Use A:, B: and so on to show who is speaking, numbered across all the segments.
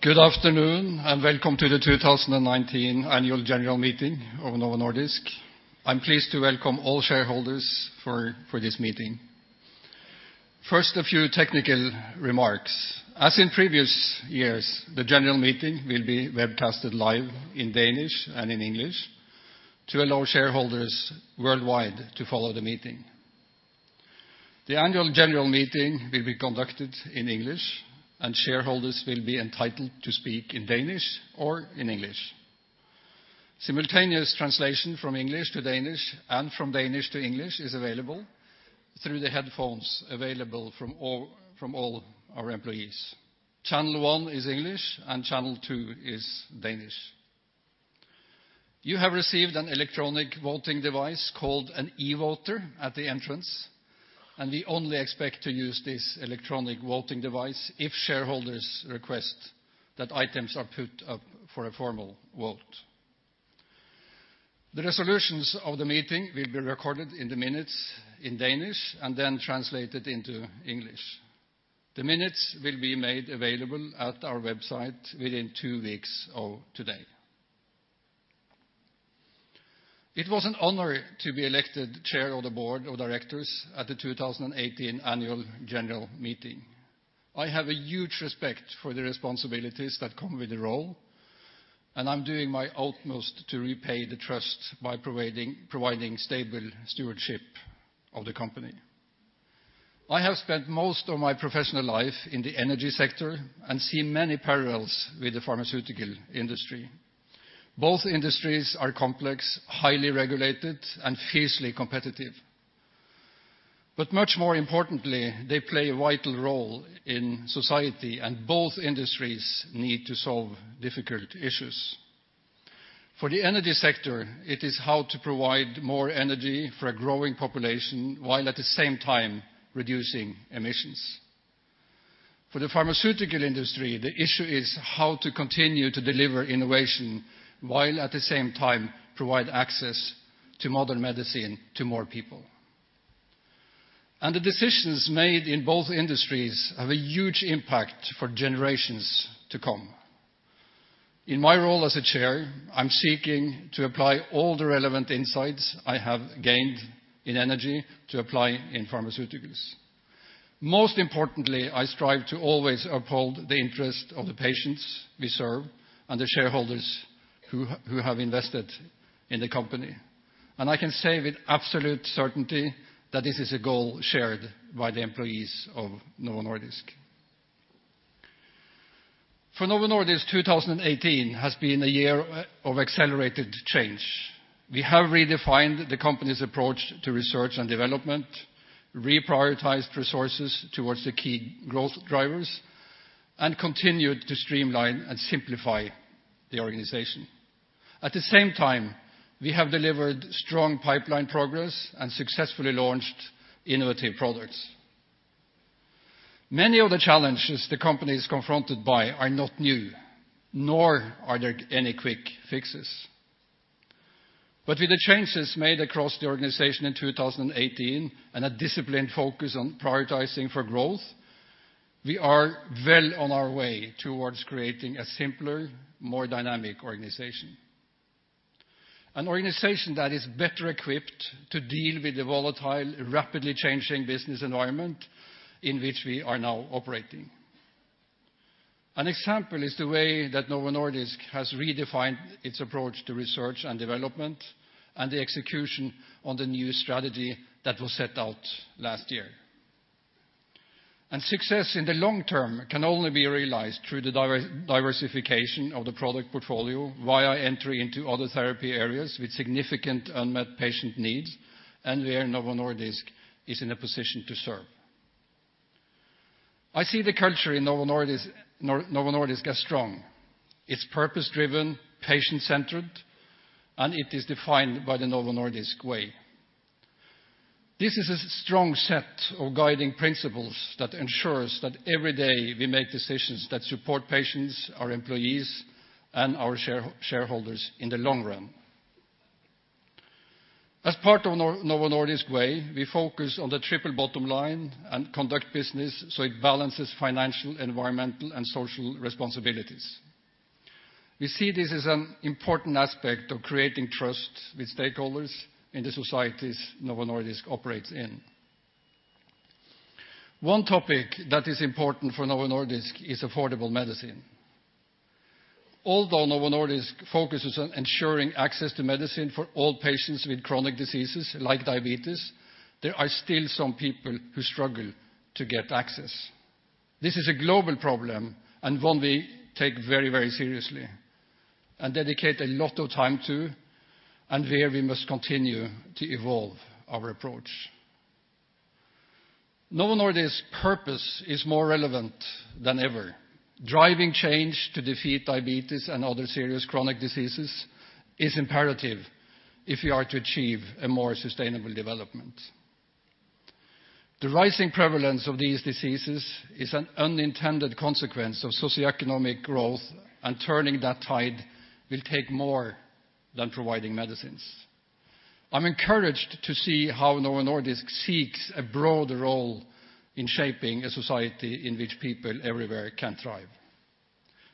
A: Good afternoon, and welcome to the 2019 annual general meeting of Novo Nordisk. I'm pleased to welcome all shareholders for this meeting. First, a few technical remarks. As in previous years, the general meeting will be webcasted live in Danish and in English to allow shareholders worldwide to follow the meeting. The annual general meeting will be conducted in English, and shareholders will be entitled to speak in Danish or in English. Simultaneous translation from English to Danish and from Danish to English is available through the headphones available from all our employees. Channel 1 is English and channel 2 is Danish. You have received an electronic voting device called an e-voter at the entrance, and we only expect to use this electronic voting device if shareholders request that items are put up for a formal vote. The resolutions of the meeting will be recorded in the minutes in Danish and then translated into English. The minutes will be made available at our website within two weeks of today. It was an honor to be elected chair of the board of directors at the 2018 annual general meeting. I have a huge respect for the responsibilities that come with the role, and I'm doing my utmost to repay the trust by providing stable stewardship of the company. I have spent most of my professional life in the energy sector and seen many parallels with the pharmaceutical industry. Both industries are complex, highly regulated, and fiercely competitive. Much more importantly, they play a vital role in society, and both industries need to solve difficult issues. For the energy sector, it is how to provide more energy for a growing population while at the same time reducing emissions. For the pharmaceutical industry, the issue is how to continue to deliver innovation while at the same time provide access to modern medicine to more people. The decisions made in both industries have a huge impact for generations to come. In my role as a chair, I'm seeking to apply all the relevant insights I have gained in energy to apply in pharmaceuticals. Most importantly, I strive to always uphold the interest of the patients we serve and the shareholders who have invested in the company. I can say with absolute certainty that this is a goal shared by the employees of Novo Nordisk. For Novo Nordisk, 2018 has been a year of accelerated change. We have redefined the company's approach to research and development, reprioritized resources towards the key growth drivers, and continued to streamline and simplify the organization. At the same time, we have delivered strong pipeline progress and successfully launched innovative products. Many of the challenges the company is confronted by are not new, nor are there any quick fixes. With the changes made across the organization in 2018 and a disciplined focus on prioritizing for growth, we are well on our way towards creating a simpler, more dynamic organization. An organization that is better equipped to deal with the volatile, rapidly changing business environment in which we are now operating. An example is the way that Novo Nordisk has redefined its approach to research and development and the execution on the new strategy that was set out last year. Success in the long term can only be realized through the diversification of the product portfolio via entry into other therapy areas with significant unmet patient needs and where Novo Nordisk is in a position to serve. I see the culture in Novo Nordisk as strong. It's purpose-driven, patient-centered, and it is defined by the Novo Nordisk Way. This is a strong set of guiding principles that ensures that every day we make decisions that support patients, our employees, and our shareholders in the long run. As part of Novo Nordisk Way, we focus on the triple bottom line and conduct business so it balances financial, environmental, and social responsibilities. We see this as an important aspect of creating trust with stakeholders in the societies Novo Nordisk operates in. One topic that is important for Novo Nordisk is affordable medicine. Although Novo Nordisk focuses on ensuring access to medicine for all patients with chronic diseases like diabetes, there are still some people who struggle to get access. This is a global problem and one we take very, very seriously and dedicate a lot of time to, and where we must continue to evolve our approach. Novo Nordisk's purpose is more relevant than ever. Driving change to defeat diabetes and other serious chronic diseases is imperative if we are to achieve a more sustainable development. The rising prevalence of these diseases is an unintended consequence of socioeconomic growth, and turning that tide will take more than providing medicines. I'm encouraged to see how Novo Nordisk seeks a broader role in shaping a society in which people everywhere can thrive.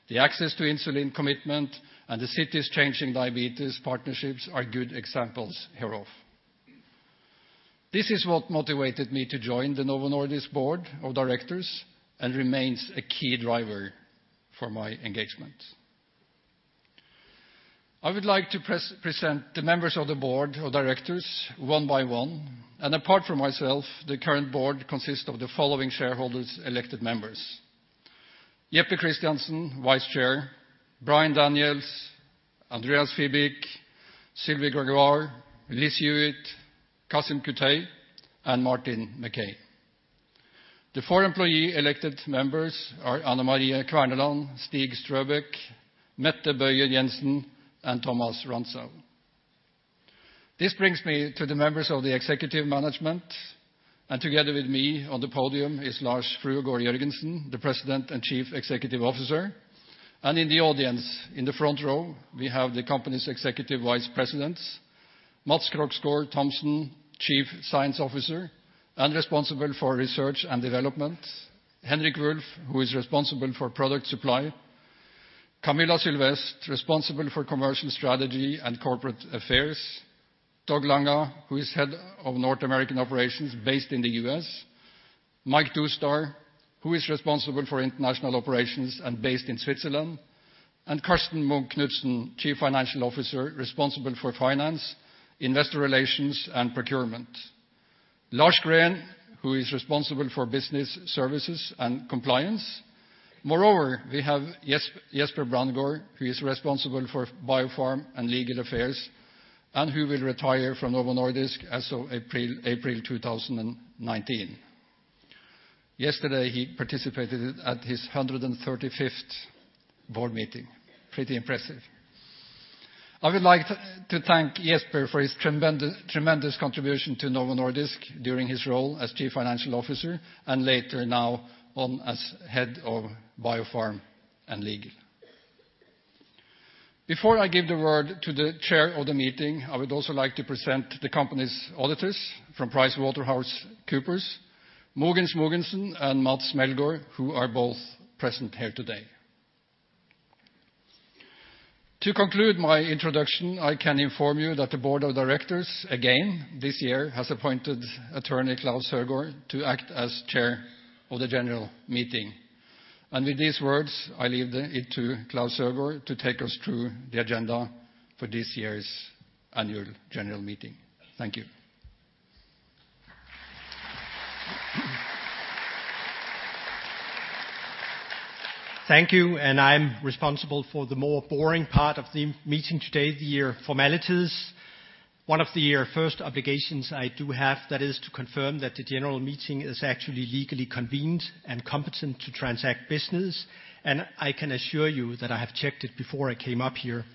A: The access to insulin commitment, and the Cities Changing Diabetes partnerships are good examples hereof. This is what motivated me to join the Novo Nordisk Board of Directors, remains a key driver for my engagement. I would like to present the members of the Board of Directors one by one. Apart from myself, the current board consists of the following shareholders' elected members: Jeppe Christiansen, Vice Chair; Brian Daniels; Andreas Fibig; Sylvie Grégoire; Liz Hewitt; Kasim Kutay, and Martin Mackay. The four employee elected members are Anne Marie Kverneland, Stig Strøbæk, Mette Bøjer Jensen, and Thomas Rantzau. This brings me to the members of the executive management. Together with me on the podium is Lars Fruergaard Jørgensen, the President and Chief Executive Officer. In the audience, in the front row, we have the company's executive vice presidents, Mads Krogsgaard Thomsen, Chief Science Officer, responsible for research and development; Henrik Wulff, who is responsible for product supply; Camilla Sylvest, responsible for commercial strategy and corporate affairs; Todd Lange, who is head of North American operations based in the U.S.; Mike Doustdar, who is responsible for international operations and based in Switzerland; Karsten Munk Knudsen, Chief Financial Officer, responsible for finance, investor relations, and procurement; Lars Green, who is responsible for business services and compliance. Moreover, we have Jesper Brandgaard, who is responsible for Biopharm and legal affairs, who will retire from Novo Nordisk as of April 2019. Yesterday, he participated at his 135th board meeting. Pretty impressive. I would like to thank Jesper for his tremendous contribution to Novo Nordisk during his role as Chief Financial Officer, later now on as Head of Biopharm and Legal. Before I give the word to the Chair of the Meeting, I would also like to present the company's auditors from PricewaterhouseCoopers, Mogens Mogenson and Mads Meldgaard, who are both present here today. To conclude my introduction, I can inform you that the Board of Directors, again this year, has appointed Attorney Claus Hergaard to act as Chair of the General Meeting. With these words, I leave it to Claus Hergaard to take us through the agenda for this year's annual general meeting. Thank you.
B: Thank you. I'm responsible for the more boring part of the meeting today, the formalities. One of the first obligations I do have, that is to confirm that the general meeting is actually legally convened and competent to transact business. I can assure you that I have checked it before I came up here.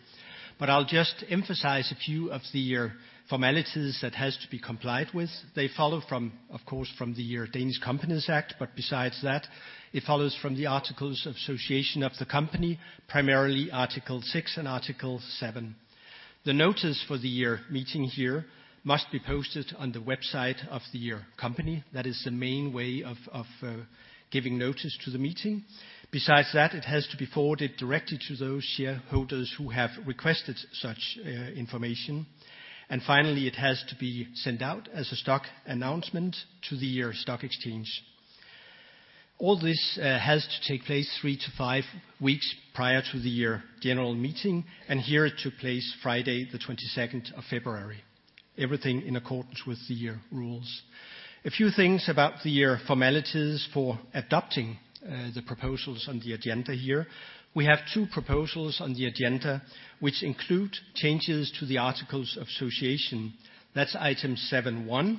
B: I'll just emphasize a few of the formalities that has to be complied with. They follow from the Danish Companies Act, but besides that, it follows from the articles of association of the company, primarily Article 6 and Article 7. The notice for the meeting here must be posted on the website of the company. That is the main way of giving notice to the meeting. Besides that, it has to be forwarded directly to those shareholders who have requested such information. Finally, it has to be sent out as a stock announcement to the stock exchange. All this has to take place three to five weeks prior to the general meeting, here it took place Friday, the 22nd of February. Everything in accordance with the rules. A few things about the formalities for adopting the proposals on the agenda here. We have two proposals on the agenda, which include changes to the articles of association. That's item 7.1,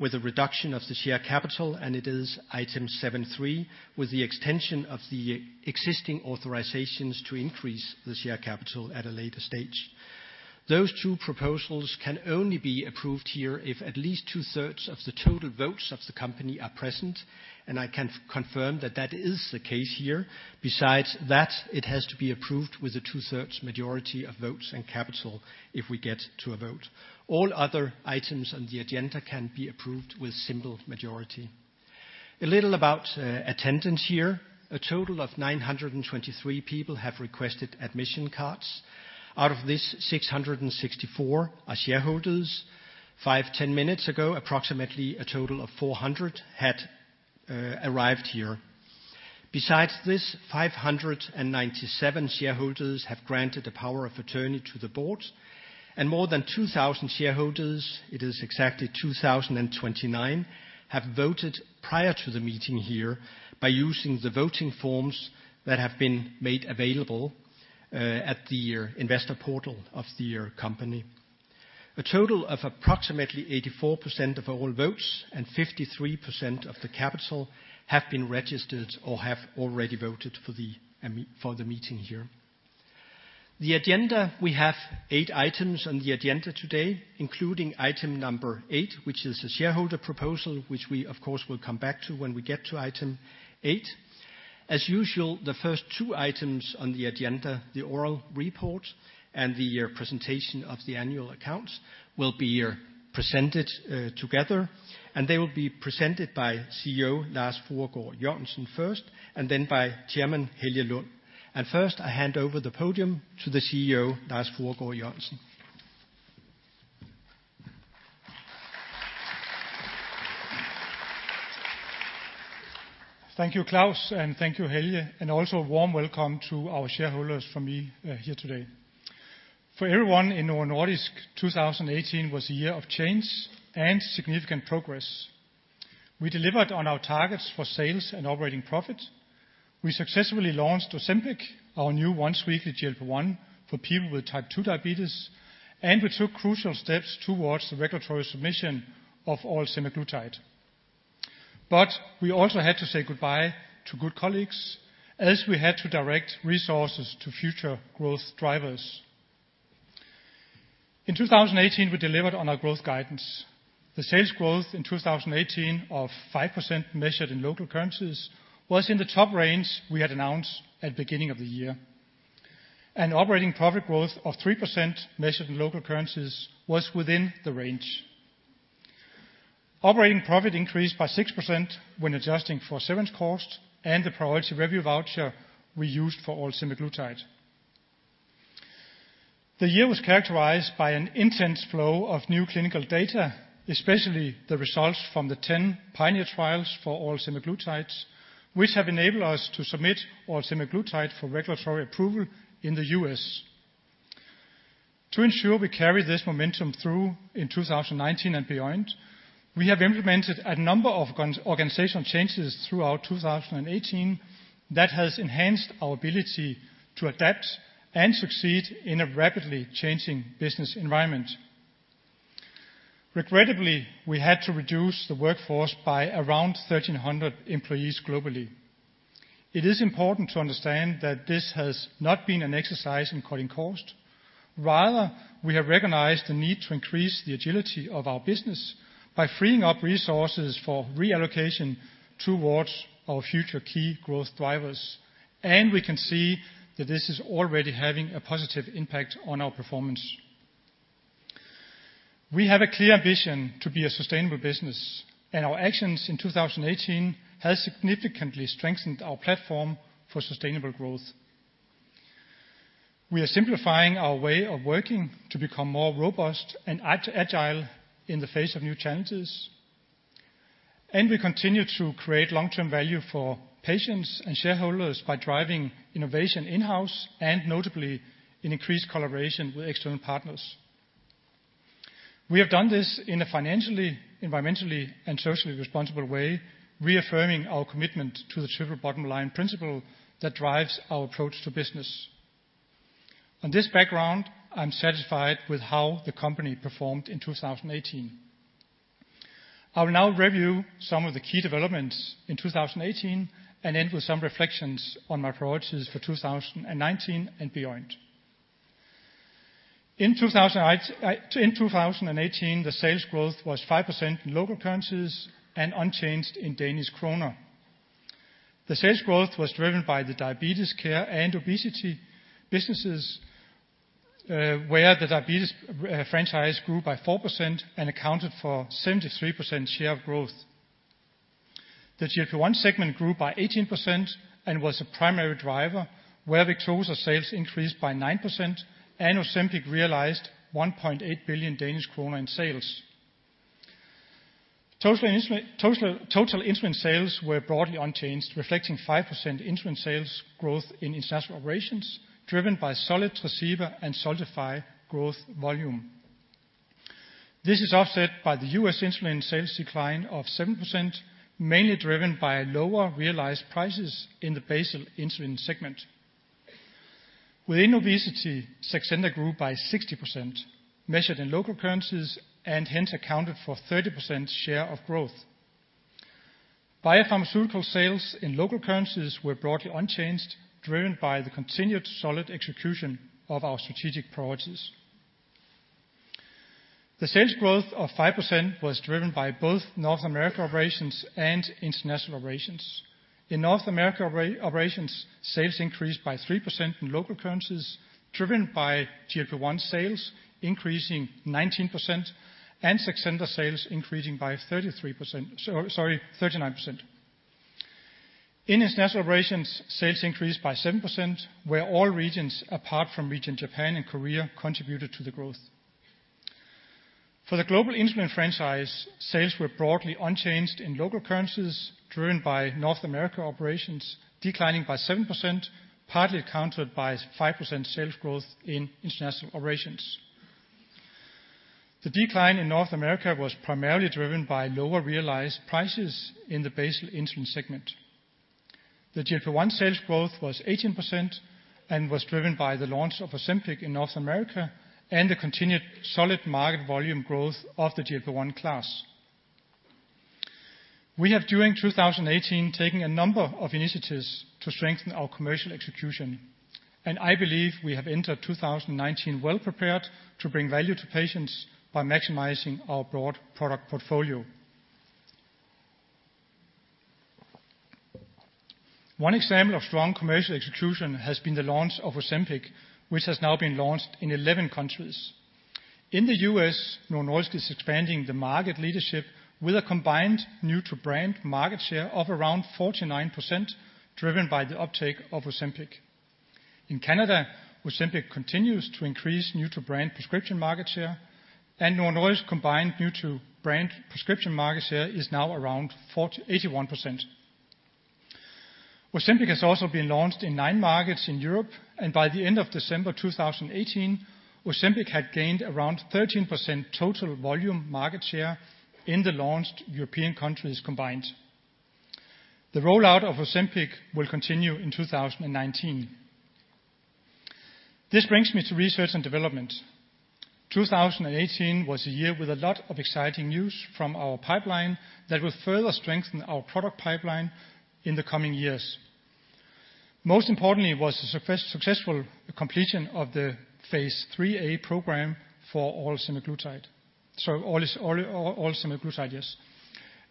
B: with a reduction of the share capital, it is item 7.3, with the extension of the existing authorizations to increase the share capital at a later stage. Those two proposals can only be approved here if at least two-thirds of the total votes of the company are present. I can confirm that that is the case here. Besides that, it has to be approved with a two-thirds majority of votes and capital if we get to a vote. All other items on the agenda can be approved with simple majority. A little about attendance here. A total of 923 people have requested admission cards. Out of this, 664 are shareholders. Five, 10 minutes ago, approximately a total of 400 had arrived here. Besides this, 597 shareholders have granted the power of attorney to the board. More than 2,000 shareholders, it is exactly 2,029, have voted prior to the meeting here by using the voting forms that have been made available at the investor portal of the company. A total of approximately 84% of all votes and 53% of the capital have been registered or have already voted for the meeting here. The agenda, we have eight items on the agenda today, including item number eight, which is a shareholder proposal, which we of course will come back to when we get to item eight. As usual, the first two items on the agenda, the oral report and the presentation of the annual accounts, will be presented together. They will be presented by CEO Lars Fruergaard Jørgensen first, and then by Chairman Helge Lund. First, I hand over the podium to the CEO, Lars Fruergaard Jørgensen.
C: Thank you, Claus. Thank you, Helge. Also, a warm welcome to our shareholders from me here today. For everyone in Novo Nordisk, 2018 was a year of change and significant progress. We delivered on our targets for sales and operating profit. We successfully launched Ozempic, our new once-weekly GLP-1 for people with type 2 diabetes, and we took crucial steps towards the regulatory submission of oral semaglutide. We also had to say goodbye to good colleagues, as we had to direct resources to future growth drivers. In 2018, we delivered on our growth guidance. The sales growth in 2018 of 5% measured in local currencies was in the top range we had announced at beginning of the year. Operating profit growth of 3% measured in local currencies was within the range. Operating profit increased by 6% when adjusting for severance cost and the priority review voucher we used for oral semaglutide. The year was characterized by an intense flow of new clinical data, especially the results from the 10 PIONEER trials for oral semaglutide, which have enabled us to submit oral semaglutide for regulatory approval in the U.S. To ensure we carry this momentum through in 2019 and beyond, we have implemented a number of organizational changes throughout 2018 that has enhanced our ability to adapt and succeed in a rapidly changing business environment. Regrettably, we had to reduce the workforce by around 1,300 employees globally. It is important to understand that this has not been an exercise in cutting cost. Rather, we have recognized the need to increase the agility of our business by freeing up resources for reallocation towards our future key growth drivers. We can see that this is already having a positive impact on our performance. We have a clear ambition to be a sustainable business, and our actions in 2018 has significantly strengthened our platform for sustainable growth. We are simplifying our way of working to become more robust and agile in the face of new challenges. We continue to create long-term value for patients and shareholders by driving innovation in-house and notably in increased collaboration with external partners. We have done this in a financially, environmentally, and socially responsible way, reaffirming our commitment to the triple bottom line principle that drives our approach to business. On this background, I'm satisfied with how the company performed in 2018. I will now review some of the key developments in 2018 and end with some reflections on my priorities for 2019 and beyond. In 2018, the sales growth was 5% in local currencies and unchanged in DKK. The sales growth was driven by the diabetes care and obesity businesses, where the diabetes franchise grew by 4% and accounted for 73% share of growth. The GLP-1 segment grew by 18% and was a primary driver where Victoza sales increased by 9% and Ozempic realized 1.8 billion Danish kroner in sales. Total insulin sales were broadly unchanged, reflecting 5% insulin sales growth in international operations, driven by solid Tresiba and Soliqua growth volume. This is offset by the U.S. insulin sales decline of 7%, mainly driven by lower realized prices in the basal insulin segment. Within obesity, Saxenda grew by 60% measured in local currencies and hence accounted for 30% share of growth. Biopharm sales in local currencies were broadly unchanged, driven by the continued solid execution of our strategic priorities. The sales growth of 5% was driven by both North America operations and international operations. In North America operations, sales increased by 3% in local currencies, driven by GLP-1 sales increasing 19% and Saxenda sales increasing by 39%. In international operations, sales increased by 7%, where all regions apart from region Japan and Korea contributed to the growth. For the global insulin franchise, sales were broadly unchanged in local currencies, driven by North America operations declining by 7%, partly countered by 5% sales growth in international operations. The decline in North America was primarily driven by lower realized prices in the basal insulin segment. The GLP-1 sales growth was 18% and was driven by the launch of Ozempic in North America and the continued solid market volume growth of the GLP-1 class. We have during 2018, taken a number of initiatives to strengthen our commercial execution. I believe we have entered 2019 well-prepared to bring value to patients by maximizing our broad product portfolio. One example of strong commercial execution has been the launch of Ozempic, which has now been launched in 11 countries. In the U.S., Novo Nordisk is expanding the market leadership with a combined new to brand market share of around 49%, driven by the uptake of Ozempic. In Canada, Ozempic continues to increase new to brand prescription market share, and Novo Nordisk combined new to brand prescription market share is now around 4%-81%. Ozempic has also been launched in nine markets in Europe, and by the end of December 2018, Ozempic had gained around 13% total volume market share in the launched European countries combined. The rollout of Ozempic will continue in 2019. This brings me to R&D. 2018 was a year with a lot of exciting news from our pipeline that will further strengthen our product pipeline in the coming years. Most importantly was the successful completion of the Phase 3a program for oral semaglutide.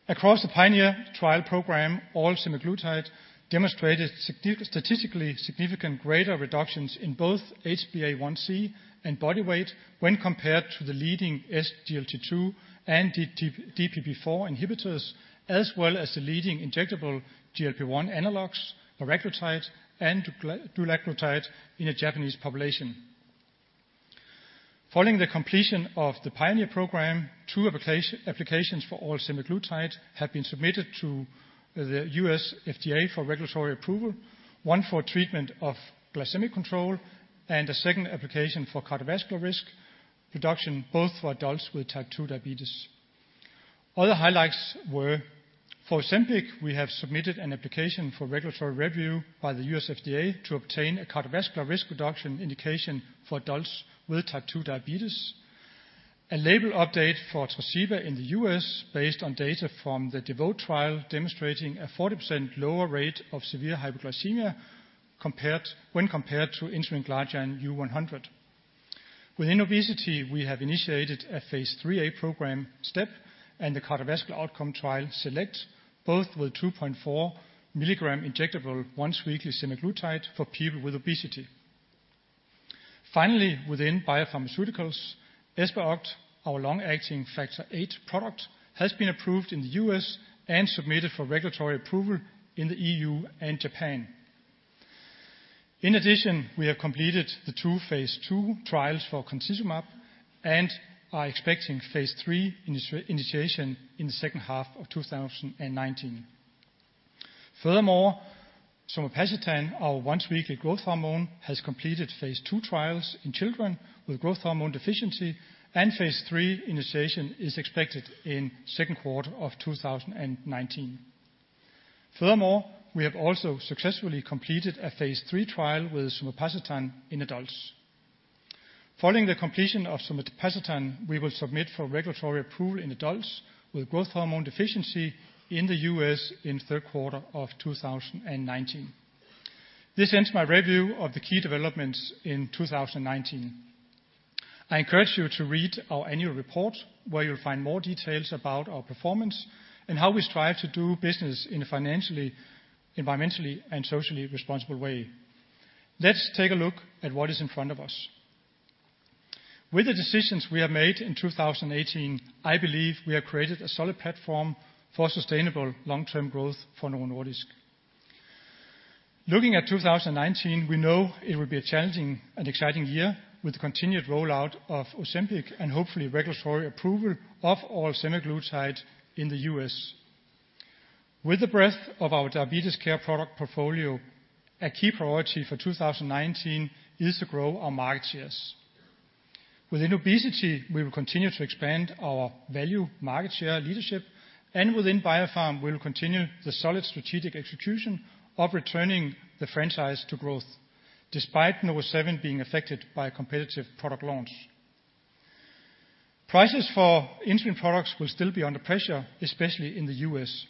C: Across the PIONEER trial program, oral semaglutide demonstrated statistically significant greater reductions in both HbA1c and body weight when compared to the leading SGLT2 and DPP4 inhibitors, as well as the leading injectable GLP-1 analogs, albiglutide and dulaglutide, in a Japanese population. Following the completion of the PIONEER program, two applications for oral semaglutide have been submitted to the U.S. FDA for regulatory approval, one for treatment of glycemic control and a second application for cardiovascular risk reduction, both for adults with type 2 diabetes. Other highlights were for Ozempic, we have submitted an application for regulatory review by the U.S. FDA to obtain a cardiovascular risk reduction indication for adults with type 2 diabetes. A label update for Tresiba in the U.S. based on data from the DEVOTE trial demonstrating a 40% lower rate of severe hypoglycemia when compared to insulin glargine U100. Within obesity, we have initiated a phase IIIa program STEP and the cardiovascular outcome trial SELECT both with 2.4 mg injectable once weekly semaglutide for people with obesity. Finally, within Biopharm, ESPEROCT, our long-acting factor VIII product, has been approved in the U.S. and submitted for regulatory approval in the EU and Japan. In addition, we have completed the two phase II trials for concizumab and are expecting phase III initiation in the second half of 2019. Furthermore, somapacitan, our once-weekly growth hormone, has completed phase II trials in children with growth hormone deficiency and phase III initiation is expected in second quarter of 2019. Furthermore, we have also successfully completed a phase III trial with somapacitan in adults. Following the completion of somapacitan, we will submit for regulatory approval in adults with growth hormone deficiency in the U.S. in third quarter of 2019. This ends my review of the key developments in 2019. I encourage you to read our annual report, where you'll find more details about our performance and how we strive to do business in a financially, environmentally, and socially responsible way. Let's take a look at what is in front of us. With the decisions we have made in 2018, I believe we have created a solid platform for sustainable long-term growth for Novo Nordisk. Looking at 2019, we know it will be a challenging and exciting year with the continued rollout of Ozempic and hopefully regulatory approval of oral semaglutide in the U.S. With the breadth of our diabetes care product portfolio, a key priority for 2019 is to grow our market shares. Within obesity, we will continue to expand our value market share leadership, and within Biopharm, we will continue the solid strategic execution of returning the franchise to growth, despite NovoSeven being affected by competitive product launch. Prices for insulin products will still be under pressure, especially in the U.S.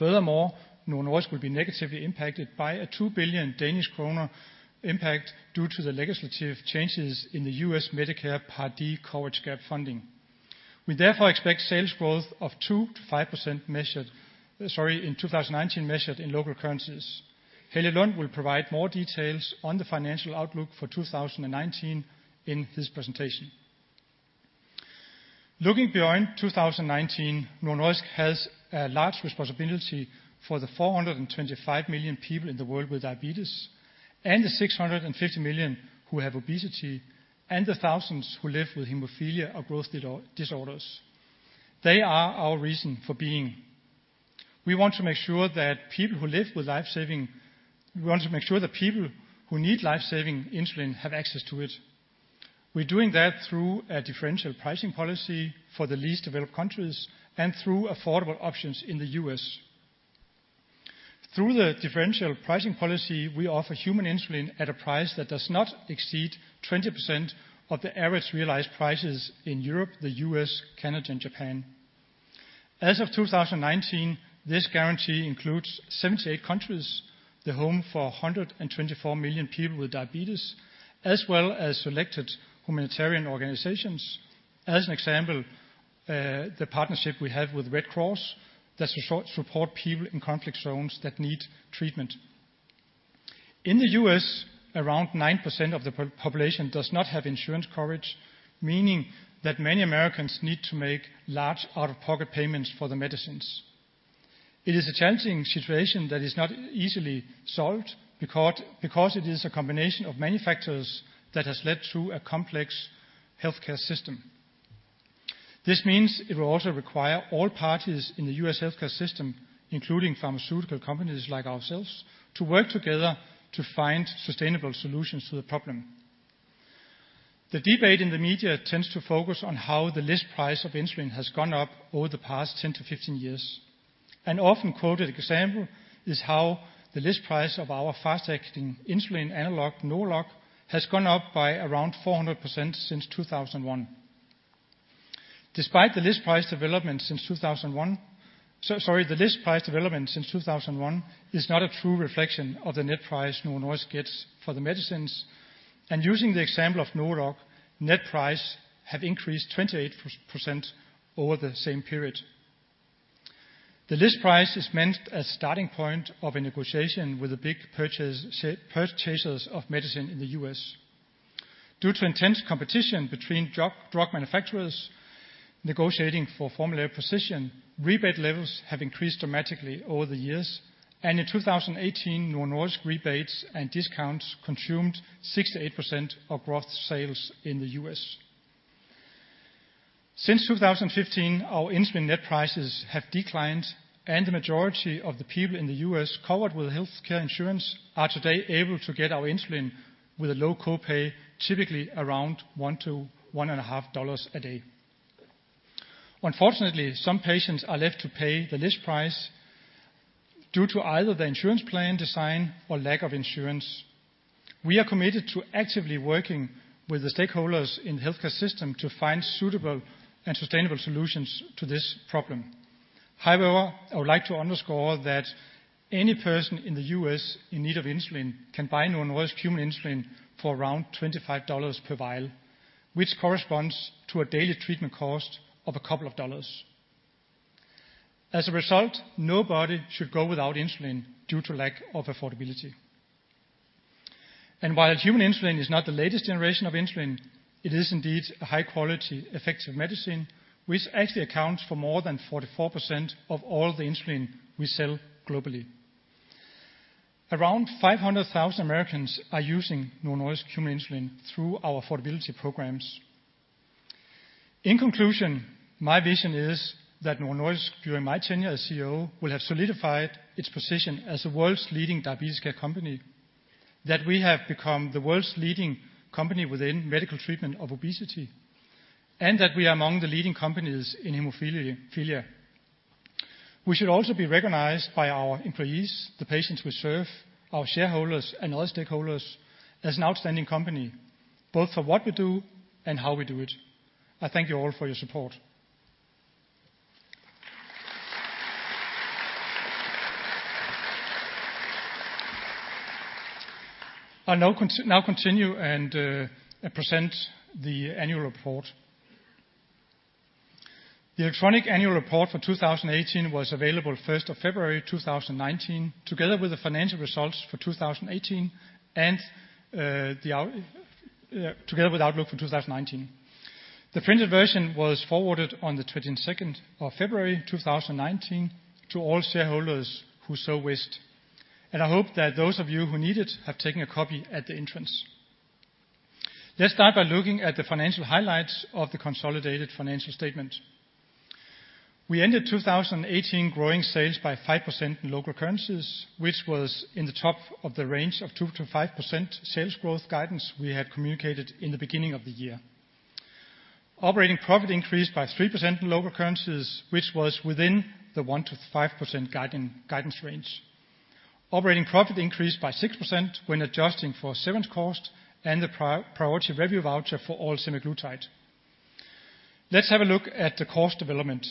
C: Furthermore, Novo Nordisk will be negatively impacted by a 2 billion Danish kroner impact due to the legislative changes in the U.S. Medicare Part D coverage gap funding. We therefore expect sales growth of 2%-5% in 2019, measured in local currencies. Helge Lund will provide more details on the financial outlook for 2019 in this presentation. Looking beyond 2019, Novo Nordisk has a large responsibility for the 425 million people in the world with diabetes, and the 650 million who have obesity, and the thousands who live with hemophilia or growth disorders. They are our reason for being. We want to make sure that people who need life-saving insulin have access to it. We are doing that through a differential pricing policy for the least developed countries and through affordable options in the U.S. Through the differential pricing policy, we offer human insulin at a price that does not exceed 20% of the average realized prices in Europe, the U.S., Canada, and Japan. As of 2019, this guarantee includes 78 countries, the home for 124 million people with diabetes, as well as selected humanitarian organizations. As an example, the partnership we have with Red Cross that support people in conflict zones that need treatment. In the U.S., around 9% of the population does not have insurance coverage, meaning that many Americans need to make large out-of-pocket payments for the medicines. It is a challenging situation that is not easily solved, because it is a combination of many factors that has led to a complex healthcare system. This means it will also require all parties in the U.S. healthcare system, including pharmaceutical companies like ourselves, to work together to find sustainable solutions to the problem. The debate in the media tends to focus on how the list price of insulin has gone up over the past 10-15 years. An often-quoted example is how the list price of our fast-acting insulin analog, NovoLog, has gone up by around 400% since 2001. The list price development since 2001 is not a true reflection of the net price Novo Nordisk gets for the medicines. Using the example of NovoLog, net price have increased 28% over the same period. The list price is meant as starting point of a negotiation with the big purchasers of medicine in the U.S. Due to intense competition between drug manufacturers negotiating for formulary position, rebate levels have increased dramatically over the years, and in 2018, Novo Nordisk rebates and discounts consumed 68% of gross sales in the U.S. Since 2015, our insulin net prices have declined, and the majority of the people in the U.S. covered with healthcare insurance are today able to get our insulin with a low co-pay, typically around $1-$1.50 a day. Unfortunately, some patients are left to pay the list price due to either the insurance plan design or lack of insurance. We are committed to actively working with the stakeholders in the healthcare system to find suitable and sustainable solutions to this problem. However, I would like to underscore that any person in the U.S. in need of insulin can buy Novo Nordisk human insulin for around $25 per vial, which corresponds to a daily treatment cost of a couple of dollars. As a result, nobody should go without insulin due to lack of affordability. While human insulin is not the latest generation of insulin, it is indeed a high-quality, effective medicine, which actually accounts for more than 44% of all the insulin we sell globally. Around 500,000 Americans are using Novo Nordisk human insulin through our affordability programs. In conclusion, my vision is that Novo Nordisk, during my tenure as CEO, will have solidified its position as the world's leading diabetes care company, that we have become the world's leading company within medical treatment of obesity, and that we are among the leading companies in hemophilia. We should also be recognized by our employees, the patients we serve, our shareholders, and other stakeholders as an outstanding company, both for what we do and how we do it. I thank you all for your support. I'll now continue and present the annual report. The electronic annual report for 2018 was available 1st of February 2019, together with the financial results for 2018 and together with outlook for 2019. The printed version was forwarded on the 22nd of February 2019 to all shareholders who so wished, and I hope that those of you who need it have taken a copy at the entrance. Let's start by looking at the financial highlights of the consolidated financial statement. We ended 2018 growing sales by 5% in local currencies, which was in the top of the range of 2%-5% sales growth guidance we had communicated in the beginning of the year. Operating profit increased by 3% in local currencies, which was within the 1%-5% guidance range. Operating profit increased by 6% when adjusting for severance cost and the priority review voucher for oral semaglutide. Let's have a look at the cost development.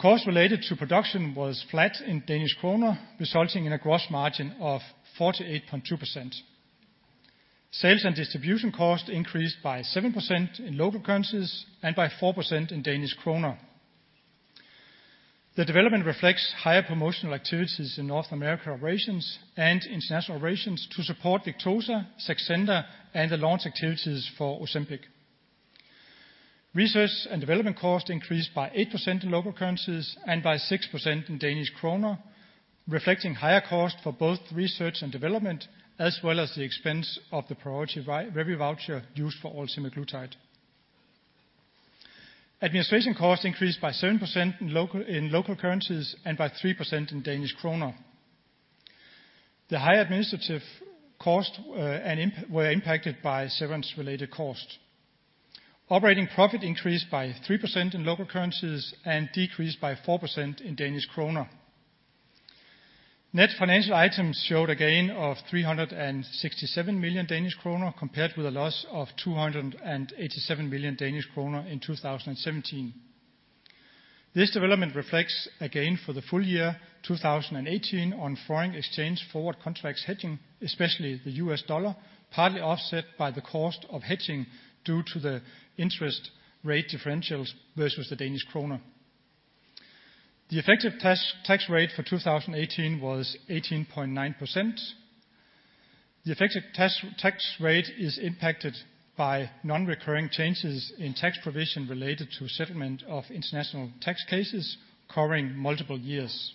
C: Cost related to production was flat in Danish kroner, resulting in a gross margin of 48.2%. Sales and distribution cost increased by 7% in local currencies and by 4% in Danish kroner. The development reflects higher promotional activities in North America Operations and International Operations to support Victoza, Saxenda, and the launch activities for Ozempic. Research and development cost increased by 8% in local currencies and by 6% in Danish kroner, reflecting higher cost for both research and development, as well as the expense of the priority review voucher used for oral semaglutide. Administration cost increased by 7% in local currencies and by 3% in Danish kroner. The high administrative cost were impacted by severance-related cost. Operating profit increased by 3% in local currencies and decreased by 4% in Danish kroner. Net financial items showed a gain of 367 million Danish kroner compared with a loss of 287 million Danish kroner in 2017. This development reflects a gain for the full year 2018 on foreign exchange forward contracts hedging, especially the US dollar, partly offset by the cost of hedging due to the interest rate differentials versus the Danish kroner. The effective tax rate for 2018 was 18.9%. The effective tax rate is impacted by non-recurring changes in tax provision related to settlement of international tax cases covering multiple years.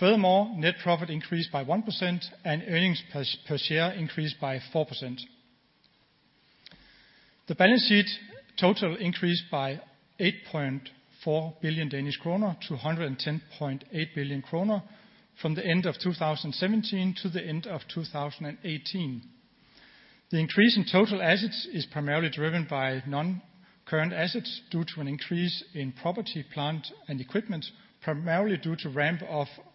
C: Furthermore, net profit increased by 1% and earnings per share increased by 4%. The balance sheet total increased by 8.4 billion Danish kroner to 110.8 billion kroner from the end of 2017 to the end of 2018. The increase in total assets is primarily driven by noncurrent assets due to an increase in property, plant, and equipment, primarily due to ramp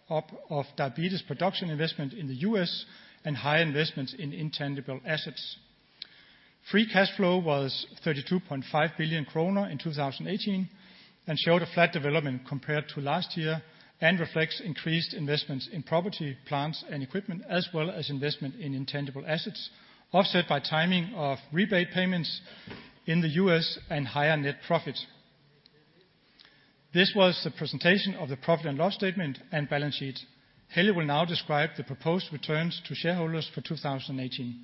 C: of diabetes production investment in the U.S. and high investments in intangible assets. Free cash flow was 32.5 billion kroner in 2018 and showed a flat development compared to last year and reflects increased investments in property, plants, and equipment, as well as investment in intangible assets, offset by timing of rebate payments in the U.S. and higher net profit. This was the presentation of the profit and loss statement and balance sheet. Helge will now describe the proposed returns to shareholders for 2018.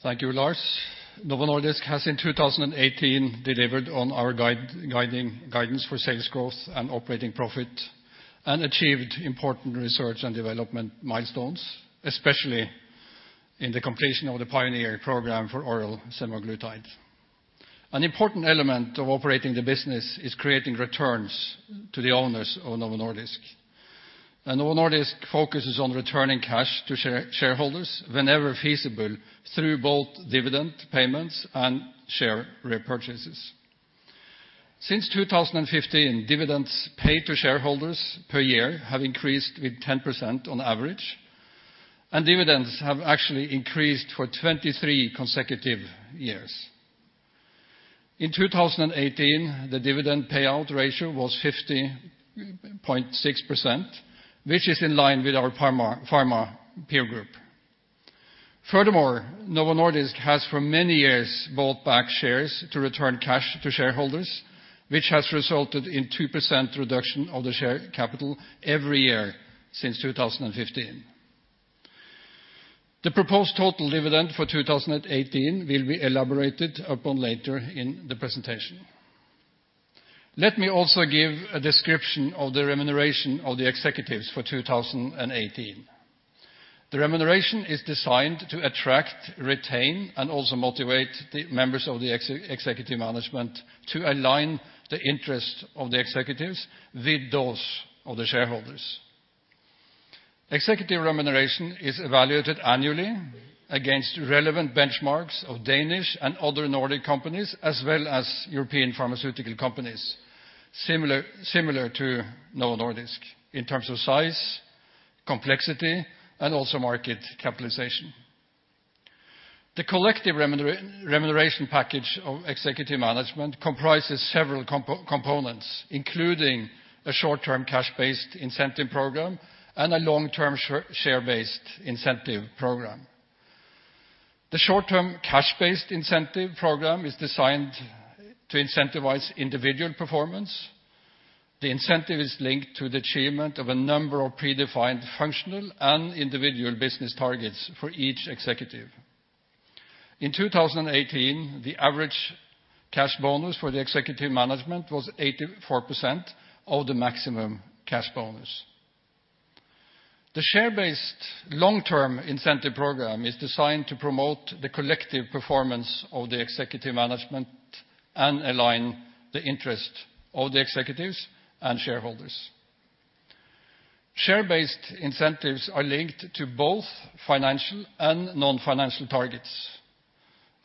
A: Thank you, Lars. Novo Nordisk has in 2018 delivered on our guidance for sales growth and operating profit and achieved important research and development milestones, especially in the completion of the PIONEER program for oral semaglutide. An important element of operating the business is creating returns to the owners of Novo Nordisk. Novo Nordisk focuses on returning cash to shareholders whenever feasible through both dividend payments and share repurchases. Since 2015, dividends paid to shareholders per year have increased with 10% on average, and dividends have actually increased for 23 consecutive years. In 2018, the dividend payout ratio was 50.6%, which is in line with our pharma peer group. Furthermore, Novo Nordisk has for many years bought back shares to return cash to shareholders, which has resulted in 2% reduction of the share capital every year since 2015. The proposed total dividend for 2018 will be elaborated upon later in the presentation. Let me also give a description of the remuneration of the executives for 2018. The remuneration is designed to attract, retain, and also motivate the members of the executive management to align the interest of the executives with those of the shareholders. Executive remuneration is evaluated annually against relevant benchmarks of Danish and other Nordic companies, as well as European pharmaceutical companies similar to Novo Nordisk in terms of size, complexity, and also market capitalization. The collective remuneration package of executive management comprises several components, including a short-term cash-based incentive program and a long-term share-based incentive program. The short-term cash-based incentive program is designed to incentivize individual performance. The incentive is linked to the achievement of a number of predefined functional and individual business targets for each executive. In 2018, the average cash bonus for the executive management was 84% of the maximum cash bonus. The share-based long-term incentive program is designed to promote the collective performance of the executive management and align the interest of the executives and shareholders. Share-based incentives are linked to both financial and non-financial targets.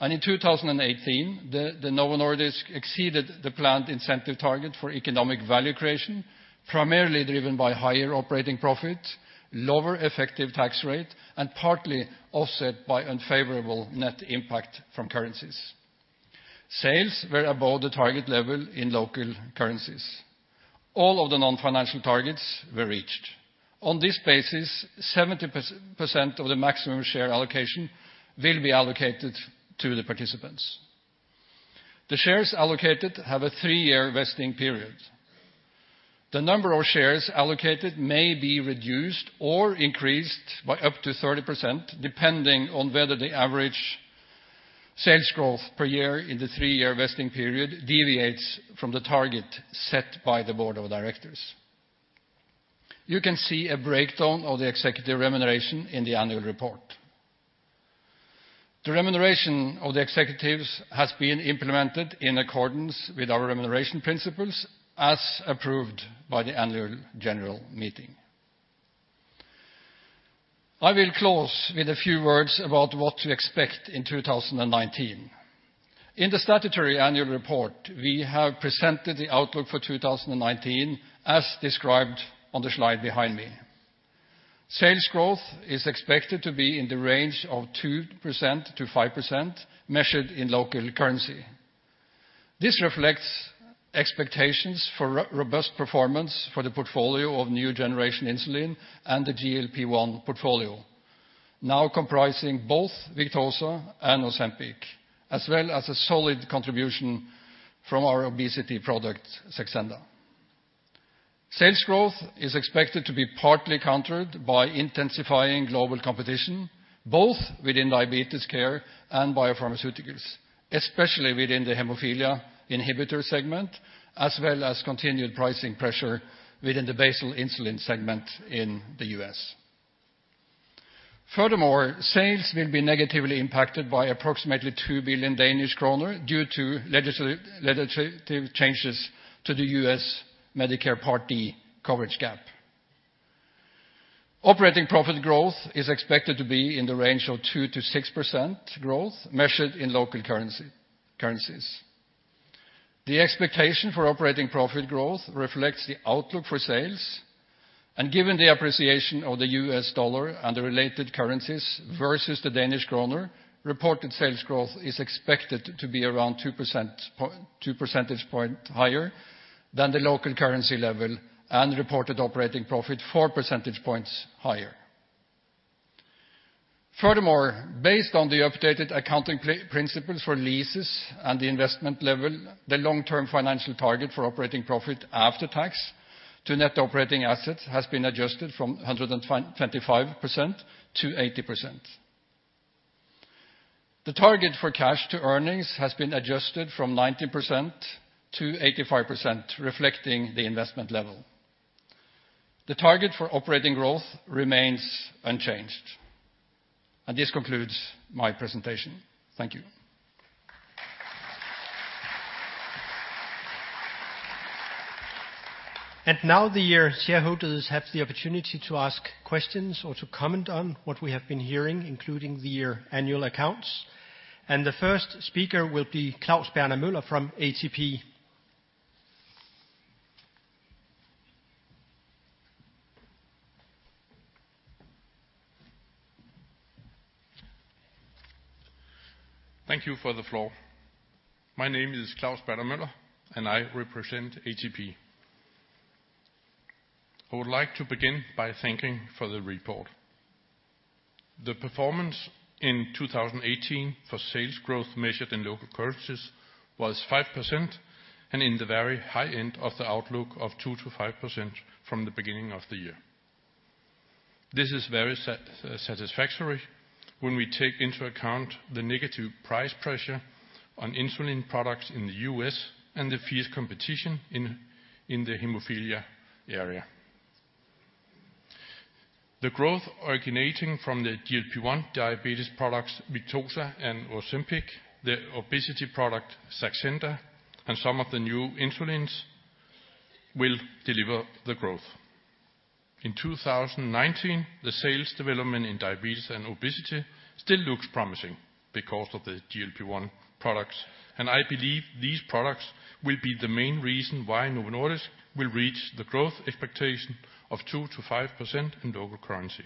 A: In 2018, Novo Nordisk exceeded the planned incentive target for economic value creation, primarily driven by higher operating profit, lower effective tax rate, and partly offset by unfavorable net impact from currencies. Sales were above the target level in local currencies. All of the non-financial targets were reached. On this basis, 70% of the maximum share allocation will be allocated to the participants. The shares allocated have a three-year vesting period. The number of shares allocated may be reduced or increased by up to 30%, depending on whether the average sales growth per year in the three-year vesting period deviates from the target set by the Board of Directors. You can see a breakdown of the executive remuneration in the annual report. The remuneration of the executives has been implemented in accordance with our remuneration principles as approved by the annual general meeting. I will close with a few words about what to expect in 2019. In the statutory annual report, we have presented the outlook for 2019 as described on the slide behind me. Sales growth is expected to be in the range of 2%-5% measured in local currency. This reflects expectations for robust performance for the portfolio of new generation insulin and the GLP-1 portfolio, now comprising both Victoza and Ozempic, as well as a solid contribution from our obesity product, Saxenda. Sales growth is expected to be partly countered by intensifying global competition, both within diabetes care and biopharmaceuticals, especially within the hemophilia inhibitor segment, as well as continued pricing pressure within the basal insulin segment in the U.S. Furthermore, sales will be negatively impacted by approximately 2 billion Danish kroner due to legislative changes to the U.S. Medicare Part D coverage gap. Operating profit growth is expected to be in the range of 2%-6% growth measured in local currencies. The expectation for operating profit growth reflects the outlook for sales, and given the appreciation of the U.S. dollar and the related currencies versus the Danish kroner, reported sales growth is expected to be around two percentage points higher than the local currency level, and reported operating profit four percentage points higher. Furthermore, based on the updated accounting principles for leases and the investment level, the long-term financial target for operating profit after tax to net operating assets has been adjusted from 125%-80%. The target for cash to earnings has been adjusted from 90%-85%, reflecting the investment level. The target for operating growth remains unchanged. This concludes my presentation. Thank you.
B: Now the shareholders have the opportunity to ask questions or to comment on what we have been hearing, including the annual accounts. The first speaker will be Claus Berner Møller from ATP.
D: Thank you for the floor. My name is Claus Berner Møller, and I represent ATP. I would like to begin by thanking for the report. The performance in 2018 for sales growth measured in local currencies was 5% and in the very high end of the outlook of 2%-5% from the beginning of the year. This is very satisfactory when we take into account the negative price pressure on insulin products in the U.S. and the fierce competition in the haemophilia area. The growth originating from the GLP-1 diabetes products, Victoza and Ozempic, the obesity product Saxenda, and some of the new insulins will deliver the growth. In 2019, the sales development in diabetes and obesity still looks promising because of the GLP-1 products, and I believe these products will be the main reason why Novo Nordisk will reach the growth expectation of 2%-5% in local currency.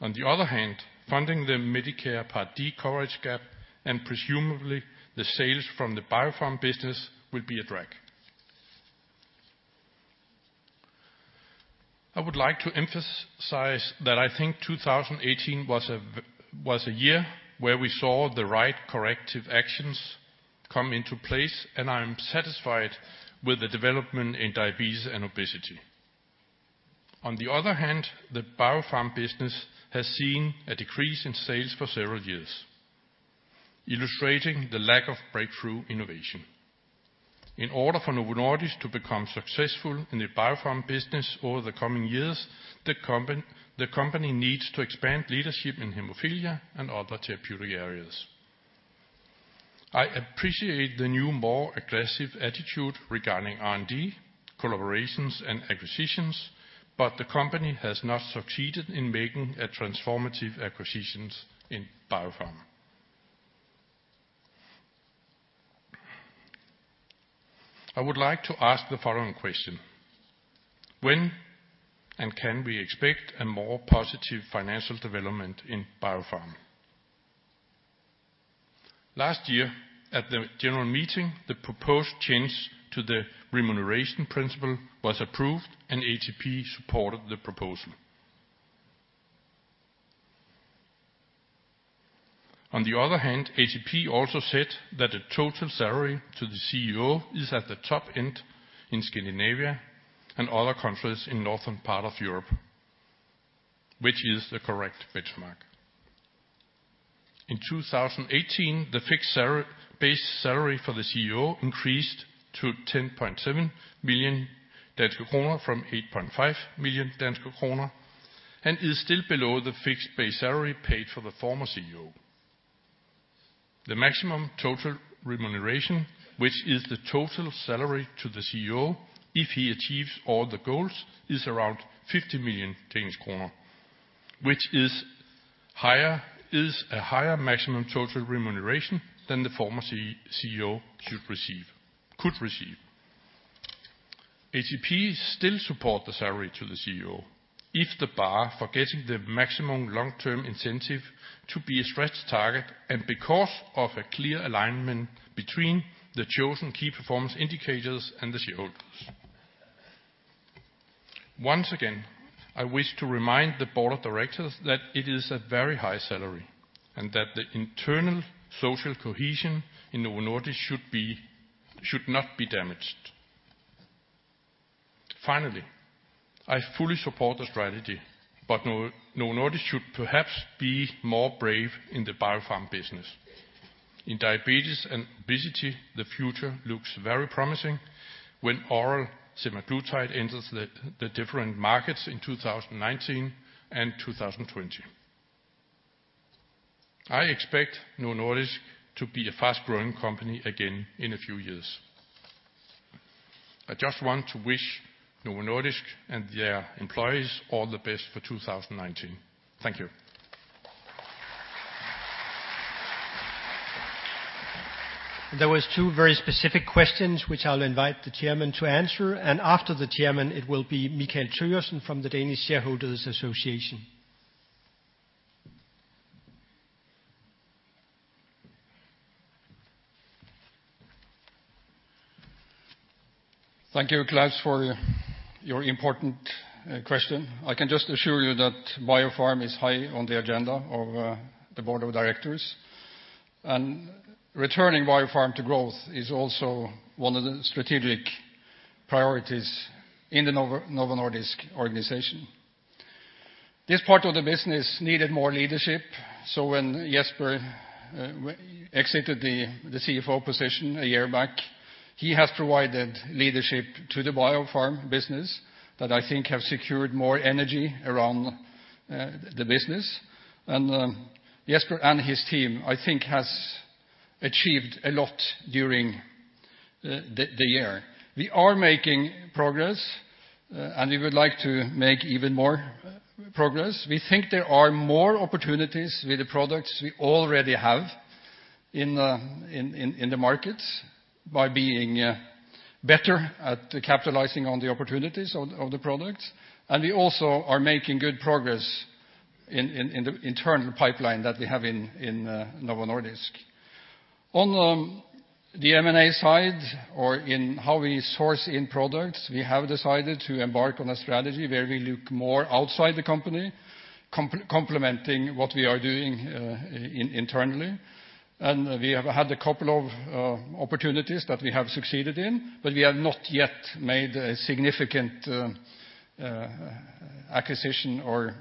D: On the other hand, funding the Medicare Part D coverage gap and presumably the sales from the Biopharm business will be a drag. I would like to emphasize that I think 2018 was a year where we saw the right corrective actions come into place, and I am satisfied with the development in diabetes and obesity. On the other hand, the Biopharm business has seen a decrease in sales for several years, illustrating the lack of breakthrough innovation. In order for Novo Nordisk to become successful in the Biopharm business over the coming years, the company needs to expand leadership in haemophilia and other therapeutic areas. I appreciate the new, more aggressive attitude regarding R&D, collaborations, and acquisitions, but the company has not succeeded in making a transformative acquisition in Biopharm. I would like to ask the following question: When and can we expect a more positive financial development in Biopharm? Last year at the general meeting, the proposed change to the remuneration principle was approved, and ATP supported the proposal. On the other hand, ATP also said that the total salary to the CEO is at the top end in Scandinavia and other countries in northern part of Europe, which is the correct benchmark. In 2018, the fixed base salary for the CEO increased to 10.7 million kroner from 8.5 million kroner, and is still below the fixed base salary paid for the former CEO. The maximum total remuneration, which is the total salary to the CEO, if he achieves all the goals, is around 50 million Danish kroner, which is a higher maximum total remuneration than the former CEO could receive. ATP still support the salary to the CEO if the bar for getting the maximum long-term incentive to be a stretched target and because of a clear alignment between the chosen key performance indicators and the shareholders. Once again, I wish to remind the board of directors that it is a very high salary, and that the internal social cohesion in Novo Nordisk should not be damaged. Finally, I fully support the strategy. Novo Nordisk should perhaps be more brave in the Biopharm business. In diabetes and obesity, the future looks very promising when oral semaglutide enters the different markets in 2019 and 2020. I expect Novo Nordisk to be a fast-growing company again in a few years. I just want to wish Novo Nordisk and their employees all the best for 2019. Thank you.
B: There was two very specific questions, which I'll invite the chairman to answer. After the chairman, it will be Michael Thøgersen from the Danish Shareholders' Association.
A: Thank you, Claus, for your important question. I can just assure you that Biopharm is high on the agenda of the board of directors. Returning Biopharm to growth is also one of the strategic priorities in the Novo Nordisk organization. This part of the business needed more leadership, so when Jesper exited the CFO position a year back, he has provided leadership to the Biopharm business that I think have secured more energy around the business. Jesper and his team, I think, has achieved a lot during the year. We are making progress, and we would like to make even more progress. We think there are more opportunities with the products we already have in the markets by being better at capitalizing on the opportunities of the products. We also are making good progress in the internal pipeline that we have in Novo Nordisk. On the M&A side, or in how we source in products, we have decided to embark on a strategy where we look more outside the company, complementing what we are doing internally. We have had a couple of opportunities that we have succeeded in, but we have not yet made a significant acquisition or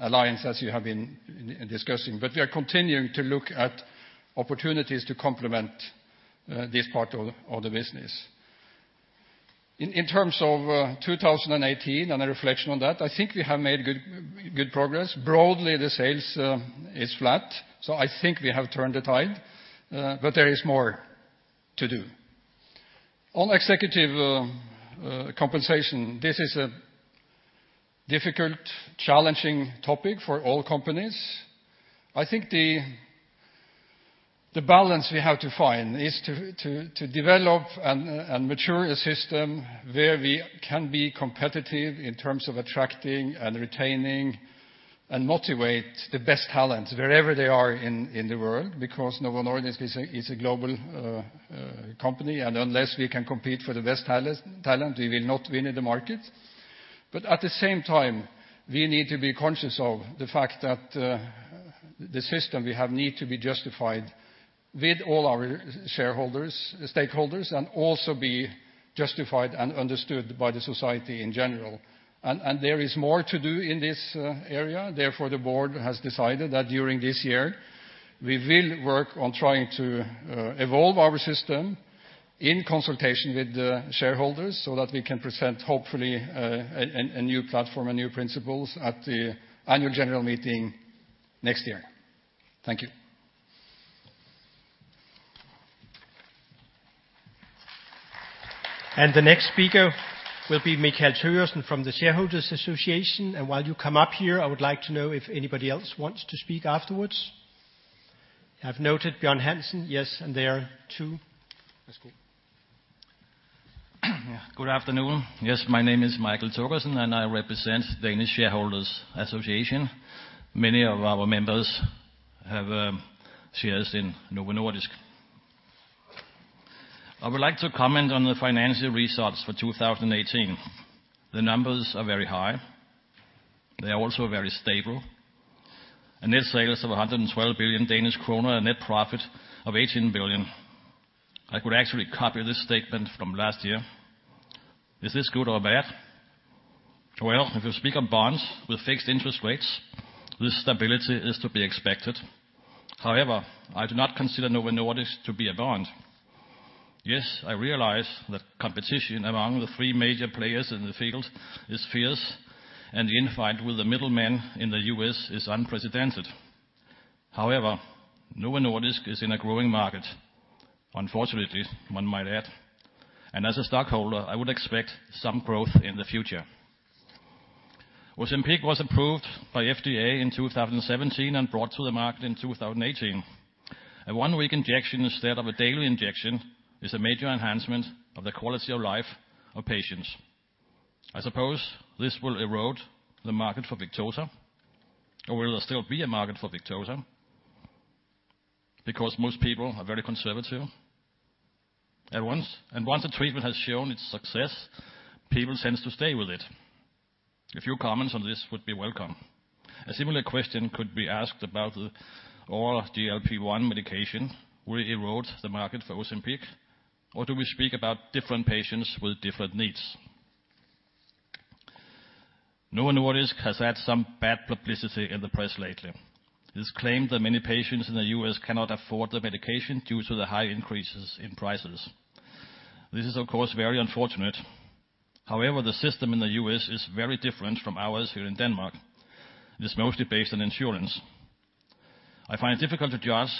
A: alliance as you have been discussing. We are continuing to look at opportunities to complement this part of the business. In terms of 2018 and a reflection on that, I think we have made good progress. Broadly, the sales is flat, so I think we have turned the tide. There is more to do. On executive compensation, this is a difficult, challenging topic for all companies. I think the balance we have to find is to develop and mature a system where we can be competitive in terms of attracting and retaining and motivate the best talent wherever they are in the world, because Novo Nordisk is a global company, and unless we can compete for the best talent, we will not win in the market. At the same time, we need to be conscious of the fact that the system we have need to be justified with all our stakeholders, and also be justified and understood by the society in general. There is more to do in this area. Therefore, the board has decided that during this year, we will work on trying to evolve our system in consultation with the shareholders so that we can present, hopefully, a new platform, and new principles at the annual general meeting next year. Thank you.
B: The next speaker will be Michael Thøgersen from the Shareholders' Association. While you come up here, I would like to know if anybody else wants to speak afterwards. I've noted Bjørn Hansen. Yes, and there are two.
E: Good afternoon. Yes, my name is Michael Thøgersen, and I represent Danish Shareholders' Association. Many of our members have shares in Novo Nordisk. I would like to comment on the financial results for 2018. The numbers are very high. They are also very stable. A net sales of 112 billion Danish kroner, a net profit of 18 billion. I could actually copy this statement from last year. Is this good or bad? Well, if you speak of bonds with fixed interest rates, this stability is to be expected. However, I do not consider Novo Nordisk to be a bond. Yes, I realize that competition among the three major players in the field is fierce, and the infight with the middlemen in the U.S. is unprecedented. However, Novo Nordisk is in a growing market. Unfortunately, one might add, and as a stockholder, I would expect some growth in the future. Ozempic was approved by FDA in 2017 and brought to the market in 2018. A one-week injection instead of a daily injection is a major enhancement of the quality of life of patients. I suppose this will erode the market for Victoza. Will there still be a market for Victoza? Most people are very conservative. Once a treatment has shown its success, people tend to stay with it. A few comments on this would be welcome. A similar question could be asked about the oral GLP-1 medication. Will it erode the market for Ozempic, or do we speak about different patients with different needs? Novo Nordisk has had some bad publicity in the press lately. It is claimed that many patients in the U.S. cannot afford the medication due to the high increases in prices. This is, of course, very unfortunate. However, the system in the U.S. is very different from ours here in Denmark. It is mostly based on insurance. I find it difficult to judge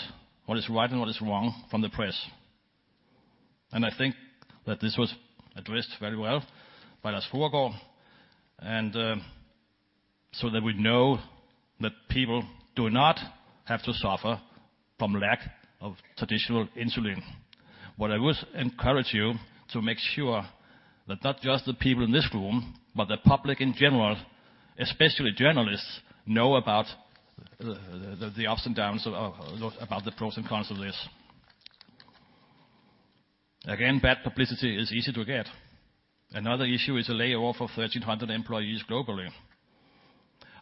E: what is right and what is wrong from the press. So that we know that people do not have to suffer from lack of traditional insulin. What I would encourage you to make sure that not just the people in this room, but the public in general, especially journalists, know about the ups and downs, about the pros and cons of this. Again, bad publicity is easy to get. Another issue is the layoff of 1,300 employees globally.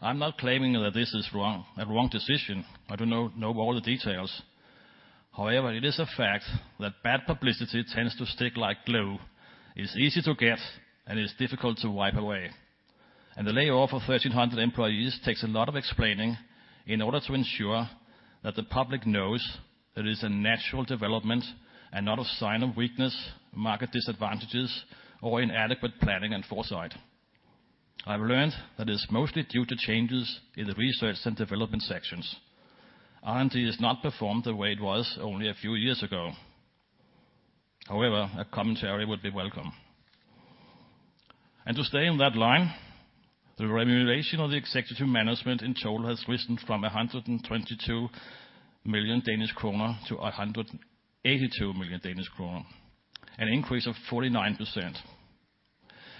E: I'm not claiming that this is a wrong decision. I do not know all the details. However, it is a fact that bad publicity tends to stick like glue. It's easy to get, it's difficult to wipe away. The layoff of 1,300 employees takes a lot of explaining in order to ensure that the public knows it is a natural development and not a sign of weakness, market disadvantages, or inadequate planning and foresight. I've learned that it's mostly due to changes in the research and development sections. R&D has not performed the way it was only a few years ago. However, a commentary would be welcome. To stay in that line, the remuneration of the executive management in total has risen from 122 million Danish kroner to 182 million Danish kroner, an increase of 49%.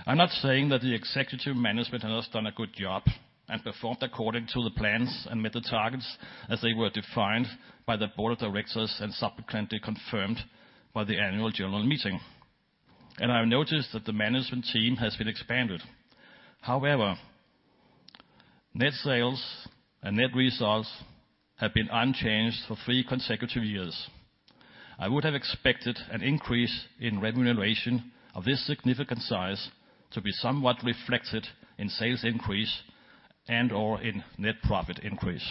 E: I'm not saying that the executive management has not done a good job and performed according to the plans and met the targets as they were defined by the board of directors and subsequently confirmed by the annual general meeting. I notice that the management team has been expanded. However, net sales and net results have been unchanged for three consecutive years. I would have expected an increase in remuneration of this significant size to be somewhat reflected in sales increase and/or in net profit increase.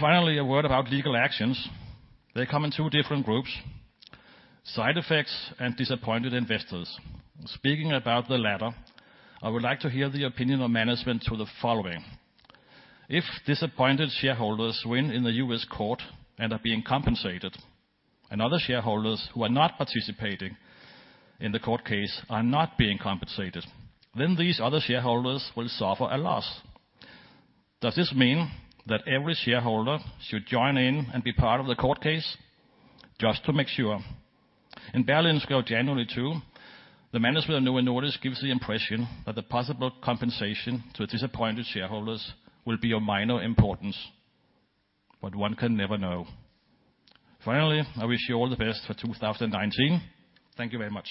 E: Finally, a word about legal actions. They come in two different groups: side effects and disappointed investors. Speaking about the latter, I would like to hear the opinion of management to the following. If disappointed shareholders win in the U.S. court and are being compensated, and other shareholders who are not participating in the court case are not being compensated, then these other shareholders will suffer a loss. Does this mean that every shareholder should join in and be part of the court case just to make sure? In Berlingske of January 2, the management of Novo Nordisk gives the impression that the possible compensation to disappointed shareholders will be of minor importance, but one can never know. Finally, I wish you all the best for 2019. Thank you very much.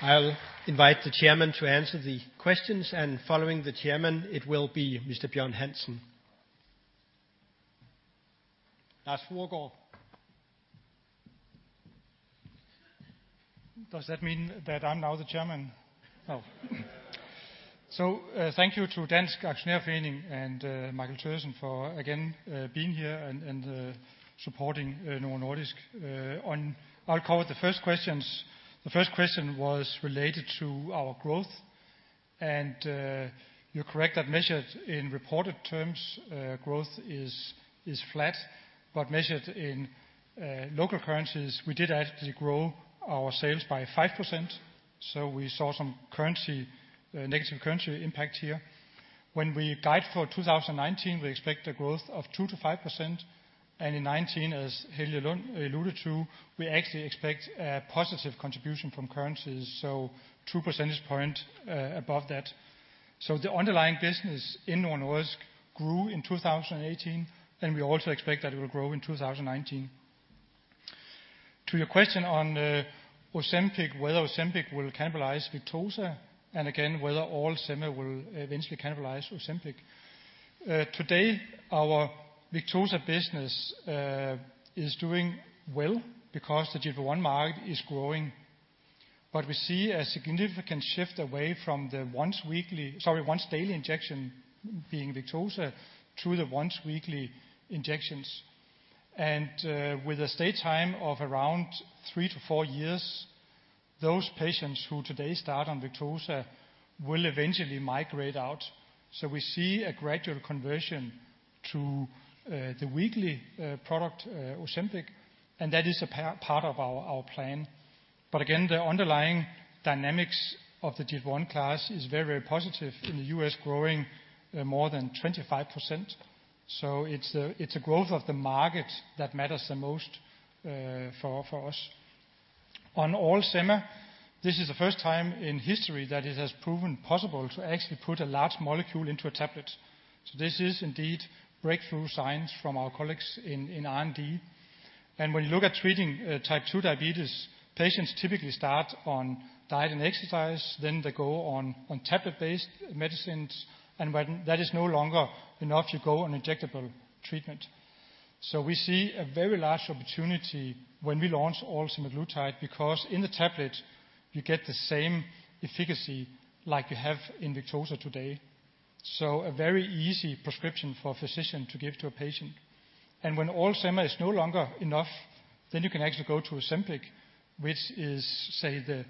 B: I'll invite the Chairman to answer the questions. Following the Chairman, it will be Mr. Bjørn Hansen. Lars Fruergaard.
C: Does that mean that I'm now the Chairman? No. Thank you to Dansk Aktionærforening and Michael Thøgersen for again being here and supporting Novo Nordisk. I'll cover the first questions. The first question was related to our growth. You're correct that measured in reported terms, growth is flat. Measured in local currencies, we did actually grow our sales by 5%. We saw some negative currency impact here. When we guide for 2019, we expect a growth of 2%-5%. In 2019, as Helge alluded to, we actually expect a positive contribution from currencies, so 2 percentage points above that. The underlying business in Novo Nordisk grew in 2018, and we also expect that it will grow in 2019. To your question on Ozempic, whether Ozempic will cannibalize Victoza, and again, whether oral semaglutide will eventually cannibalize Ozempic. Today, our Victoza business is doing well because the GLP-1 market is growing. We see a significant shift away from the once-daily injection, being Victoza, to the once-weekly injections. With a stay time of around three to four years, those patients who today start on Victoza will eventually migrate out. We see a gradual conversion to the weekly product, Ozempic, and that is a part of our plan. Again, the underlying dynamics of the GLP-1 class is very positive in the U.S., growing more than 25%. It's a growth of the market that matters the most for us. On oral sema, this is the first time in history that it has proven possible to actually put a large molecule into a tablet. This is indeed breakthrough science from our colleagues in R&D. When you look at treating type 2 diabetes, patients typically start on diet and exercise. They go on tablet-based medicines. When that is no longer enough, you go on injectable treatment. We see a very large opportunity when we launch oral semaglutide, because in the tablet, you get the same efficacy like you have in Victoza today. A very easy prescription for a physician to give to a patient. When oral sema is no longer enough, you can actually go to Ozempic, which is, say, the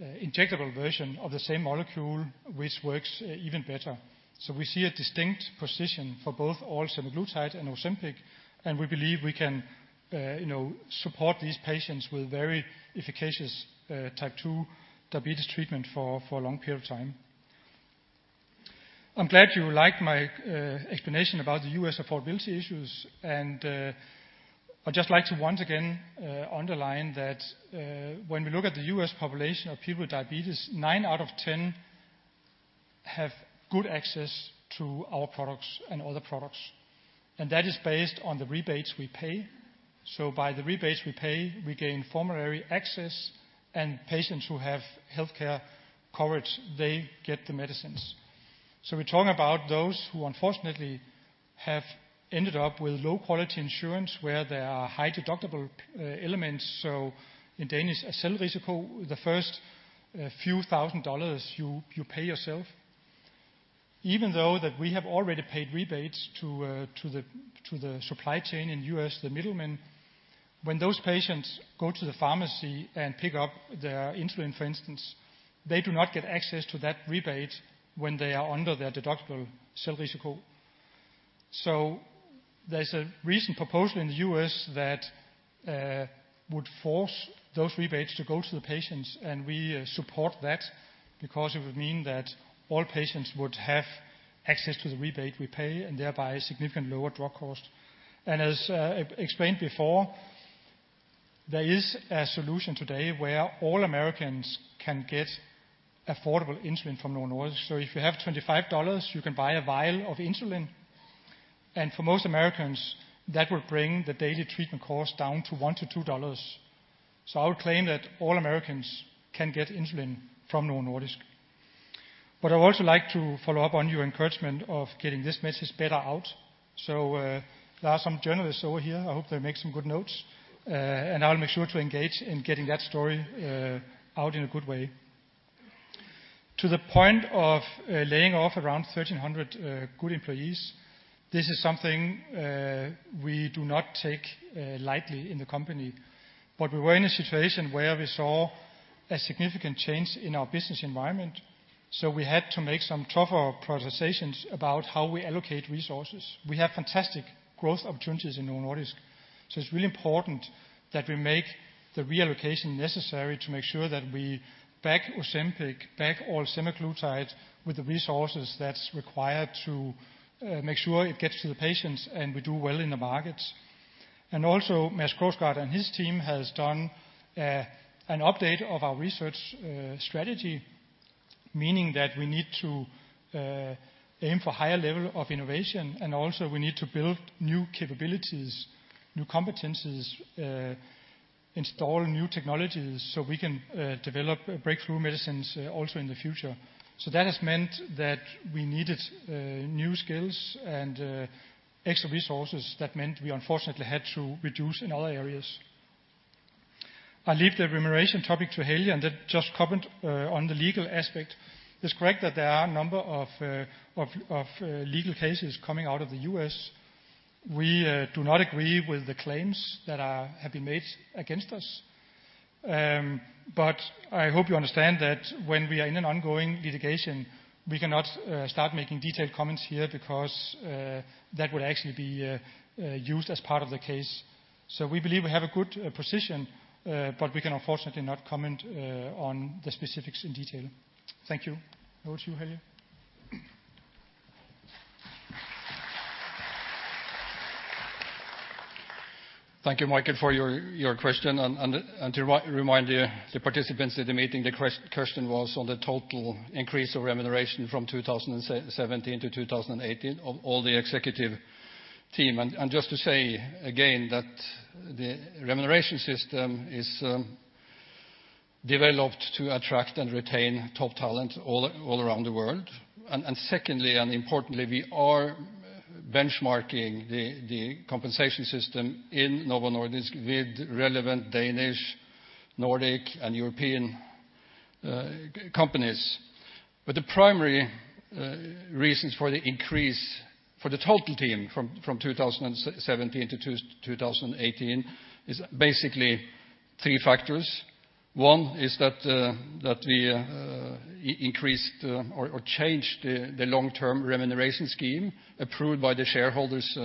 C: injectable version of the same molecule, which works even better. We see a distinct position for both oral semaglutide and Ozempic, and we believe we can support these patients with very efficacious type 2 diabetes treatment for a long period of time. I'm glad you like my explanation about the U.S. affordability issues. I'd just like to once again underline that when we look at the U.S. population of people with diabetes, nine out of 10 have good access to our products and other products. That is based on the rebates we pay. By the rebates we pay, we gain formulary access, and patients who have healthcare coverage, they get the medicines. We're talking about those who unfortunately have ended up with low-quality insurance where there are high deductible elements. In Danish, selvrisiko, the first few thousand DKK you pay yourself. Even though that we have already paid rebates to the supply chain in the U.S., the middlemen, when those patients go to the pharmacy and pick up their insulin, for instance, they do not get access to that rebate when they are under their deductible, selvrisiko. There's a recent proposal in the U.S. that would force those rebates to go to the patients, and we support that because it would mean that all patients would have access to the rebate we pay and thereby a significant lower drug cost. As explained before, there is a solution today where all Americans can get affordable insulin from Novo Nordisk. If you have DKK 25, you can buy a vial of insulin. For most Americans, that will bring the daily treatment cost down to 1 to DKK 2. I would claim that all Americans can get insulin from Novo Nordisk. I would also like to follow up on your encouragement of getting this message better out. There are some journalists over here. I hope they make some good notes. I'll make sure to engage in getting that story out in a good way. To the point of laying off around 1,300 good employees, this is something we do not take lightly in the company. We were in a situation where we saw a significant change in our business environment. We had to make some tough prioritizations about how we allocate resources. We have fantastic growth opportunities in Novo Nordisk. It's really important that we make the reallocation necessary to make sure that we back Ozempic, back oral semaglutide with the resources that's required to make sure it gets to the patients, and we do well in the markets. Also, Mads Krogsgaard and his team has done an update of our research strategy, meaning that we need to aim for higher level of innovation, and also we need to build new capabilities, new competencies, install new technologies, so we can develop breakthrough medicines also in the future. That has meant that we needed new skills and extra resources. That meant we unfortunately had to reduce in other areas. I leave the remuneration topic to Helge and just comment on the legal aspect. It's correct that there are a number of legal cases coming out of the U.S. We do not agree with the claims that have been made against us. I hope you understand that when we are in an ongoing litigation, we cannot start making detailed comments here because that would actually be used as part of the case. We believe we have a good position, but we can unfortunately not comment on the specifics in detail. Thank you. Over to you, Helge.
A: Thank you, Michael, for your question. To remind the participants at the meeting, the question was on the total increase of remuneration from 2017 to 2018 of all the executive team. Just to say again that the remuneration system is developed to attract and retain top talent all around the world. Secondly, and importantly, we are benchmarking the compensation system in Novo Nordisk with relevant Danish, Nordic, and European companies. The primary reasons for the increase for the total team from 2017 to 2018 is basically three factors. One is that we increased or changed the long-term remuneration scheme approved by the shareholders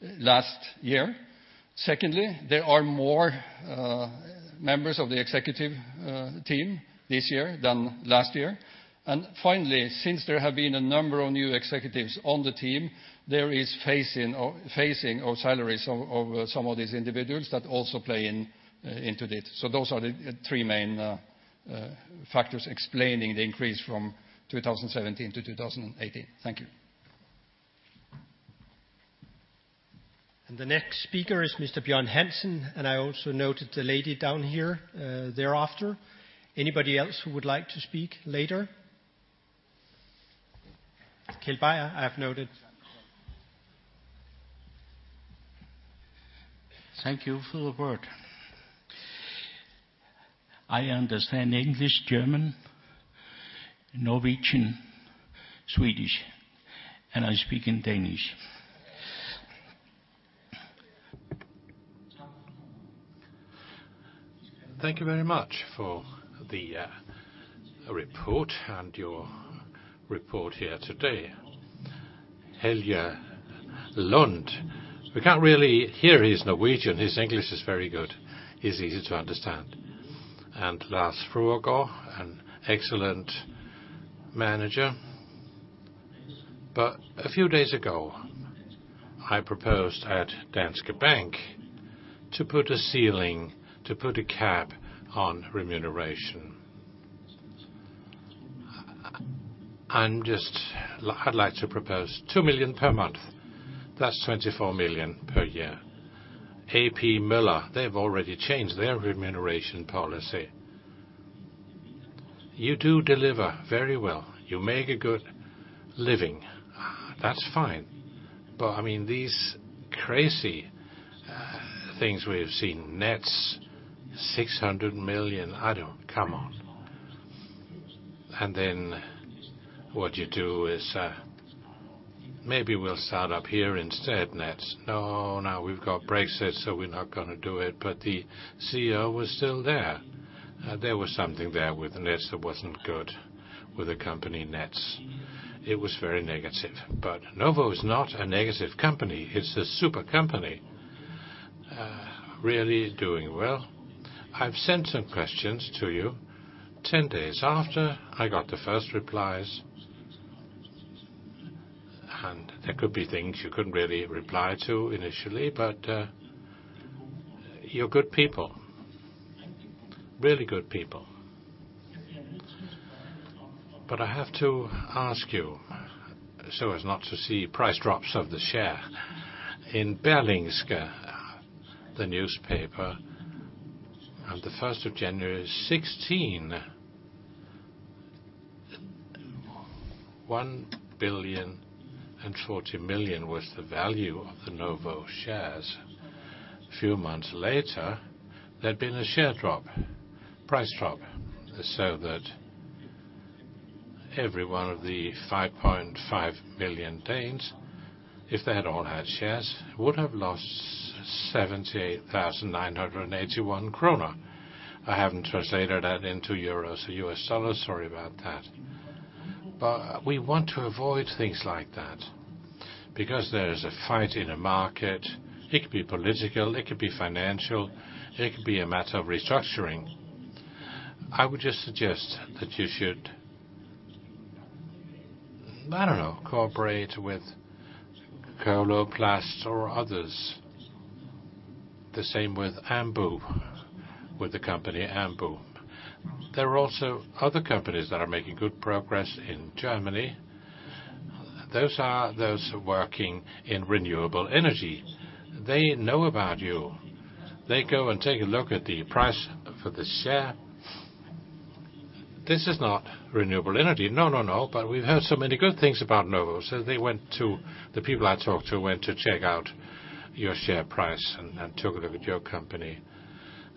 A: last year. Secondly, there are more members of the executive team this year than last year. Finally, since there have been a number of new executives on the team, there is phasing of salaries of some of these individuals that also play into it. Those are the three main factors explaining the increase from 2017 to 2018. Thank you.
B: The next speaker is Mr. Bjørn Hansen, and I also noted the lady down here thereafter. Anybody else who would like to speak later? Kjell Beyer, I have noted.
F: Thank you for the word. I understand English, German, Norwegian, Swedish, and I speak in Danish. Thank you very much for the report and your report here today. Helge Lund, we can't really hear his Norwegian. His English is very good. He's easy to understand. Lars Fruergaard, an excellent manager. A few days ago, I proposed at Danske Bank to put a ceiling, to put a cap on remuneration. I'd like to propose 2 million per month. That's 24 million per year. A.P. Møller, they've already changed their remuneration policy. You do deliver very well. You make a good living. That's fine. These crazy things we've seen, Nets, 600 million. Come on. Then what you do is maybe we'll start up here instead, Nets. No, now we've got Brexit, so we're not going to do it. The CEO was still there. There was something there with Nets that wasn't good with the company Nets. It is very negative. Novo is not a negative company. It's a super company, really doing well. I've sent some questions to you. 10 days after, I got the first replies. There could be things you couldn't really reply to initially, but you're good people. Really good people. I have to ask you, so as not to see price drops of the share. In Berlingske, the newspaper on the 1st of January 2016, 1 billion and 40 million was the value of the Novo shares. Few months later, there'd been a share drop, price drop, so that every one of the 5.5 million Danes, if they had all had shares, would have lost 78,981 kroner. I haven't translated that into EUR or U.S. dollars. Sorry about that. We want to avoid things like that because there is a fight in the market. It could be political, it could be financial, it could be a matter of restructuring. I would just suggest that you should cooperate with Coloplast or others. The same with Ambu, with the company Ambu. There are also other companies that are making good progress in Germany. Those are those working in renewable energy. They know about you. They go and take a look at the price for the share. This is not renewable energy. We've heard so many good things about Novo. The people I talked to went to check out your share price and took a look at your company.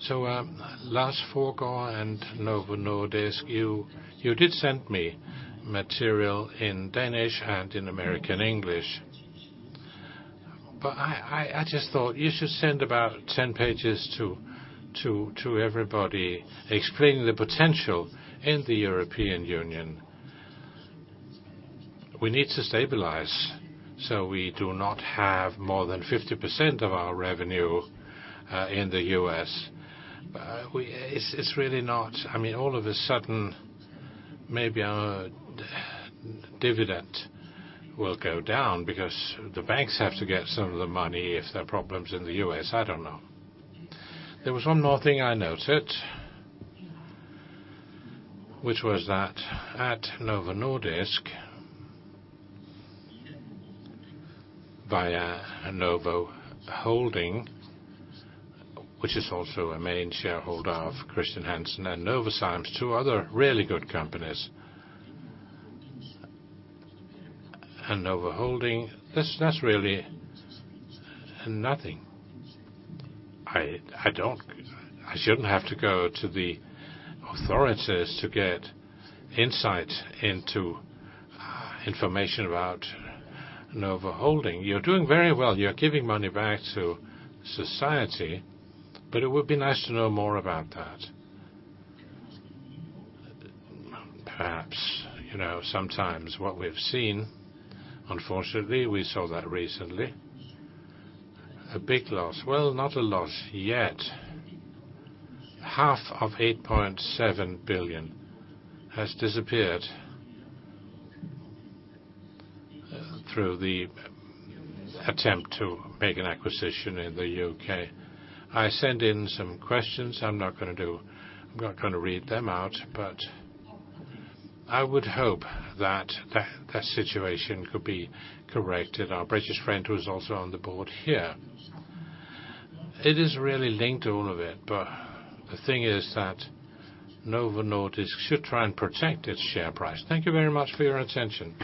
F: Lars Fruergaard and Novo Nordisk, you did send me material in Danish and in American English. I just thought you should send about 10 pages to everybody explaining the potential in the European Union. We need to stabilize so we do not have more than 50% of our revenue in the U.S. All of a sudden, maybe our dividend will go down because the banks have to get some of the money if there are problems in the U.S. I don't know. There was one more thing I noted, which was that at Novo Nordisk, via Novo Holdings, which is also a main shareholder of Chr. Hansen and Novozymes, two other really good companies. Novo Holdings, that's really nothing. I shouldn't have to go to the authorities to get insight into information about Novo Holdings. You're doing very well. You're giving money back to society, but it would be nice to know more about that. Perhaps, sometimes what we've seen, unfortunately, we saw that recently, a big loss. Well, not a loss yet. Half of 8.7 billion has disappeared through the attempt to make an acquisition in the U.K. I send in some questions, I'm not going to read them out, but I would hope that that situation could be corrected. Our British friend who is also on the board here. It is really linked to all of it, the thing is that Novo Nordisk should try and protect its share price. Thank you very much for your attention.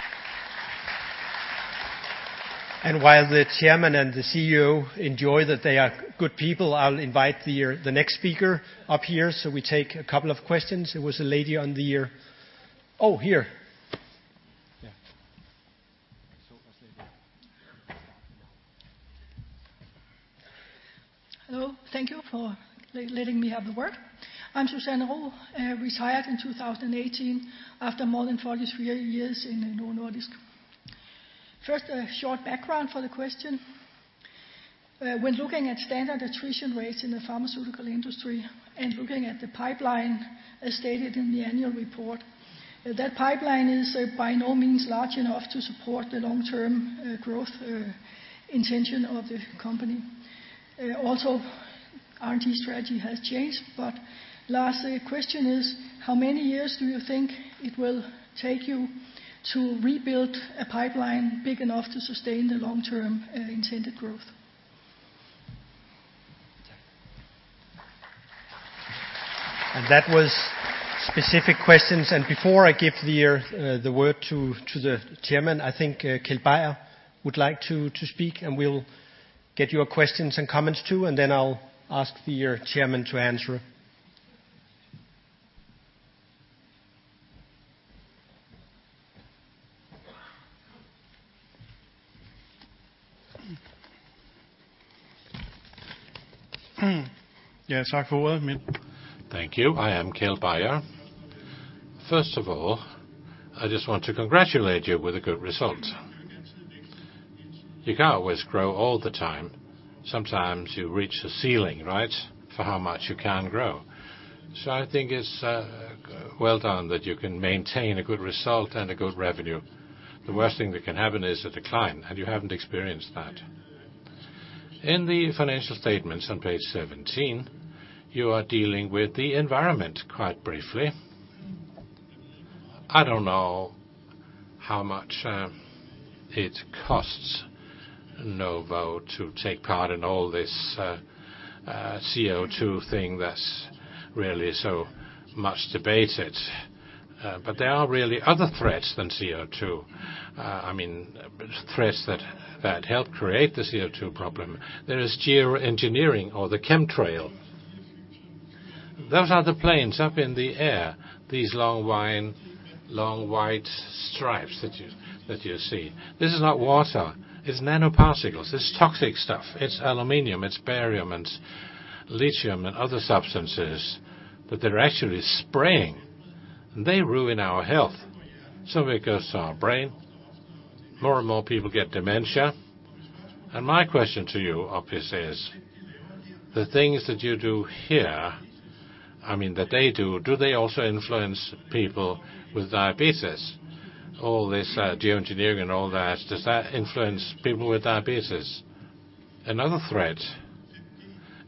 B: While the Chairman and the CEO enjoy that they are good people, I'll invite the next speaker up here so we take a couple of questions. It was a lady on the Oh, here. Yeah.
G: Hello. Thank you for letting me have the word. I'm Susanne Roel, retired in 2018 after more than 43 years in Novo Nordisk. First, a short background for the question. When looking at standard attrition rates in the pharmaceutical industry and looking at the pipeline as stated in the annual report, that pipeline is by no means large enough to support the long-term growth intention of the company. R&D strategy has changed, lastly, the question is, how many years do you think it will take you to rebuild a pipeline big enough to sustain the long-term intended growth?
B: That was specific questions. Before I give the word to the Chairman, I think Keld Bayer would like to speak, and we'll get your questions and comments, too, then I'll ask the Chairman to answer.
H: Thank you. I am Keld Bayer. First of all, I just want to congratulate you with a good result. You can't always grow all the time. Sometimes you reach the ceiling, right? For how much you can grow. I think it's well done that you can maintain a good result and a good revenue. The worst thing that can happen is a decline, and you haven't experienced that. In the financial statements on page 17, you are dealing with the environment quite briefly. I don't know how much it costs Novo to take part in all this CO2 thing that's really so much debated. There are really other threats than CO2. Threats that help create the CO2 problem. There is geoengineering or the chemtrail. Those are the planes up in the air, these long white stripes that you see. This is not water, it's nanoparticles. It's toxic stuff. It's aluminum, it's barium, and it's lithium and other substances that they're actually spraying, and they ruin our health. It goes to our brain. More and more people get dementia. My question to you obviously is, the things that you do here, I mean, that they do they also influence people with diabetes? All this geoengineering and all that, does that influence people with diabetes? Another threat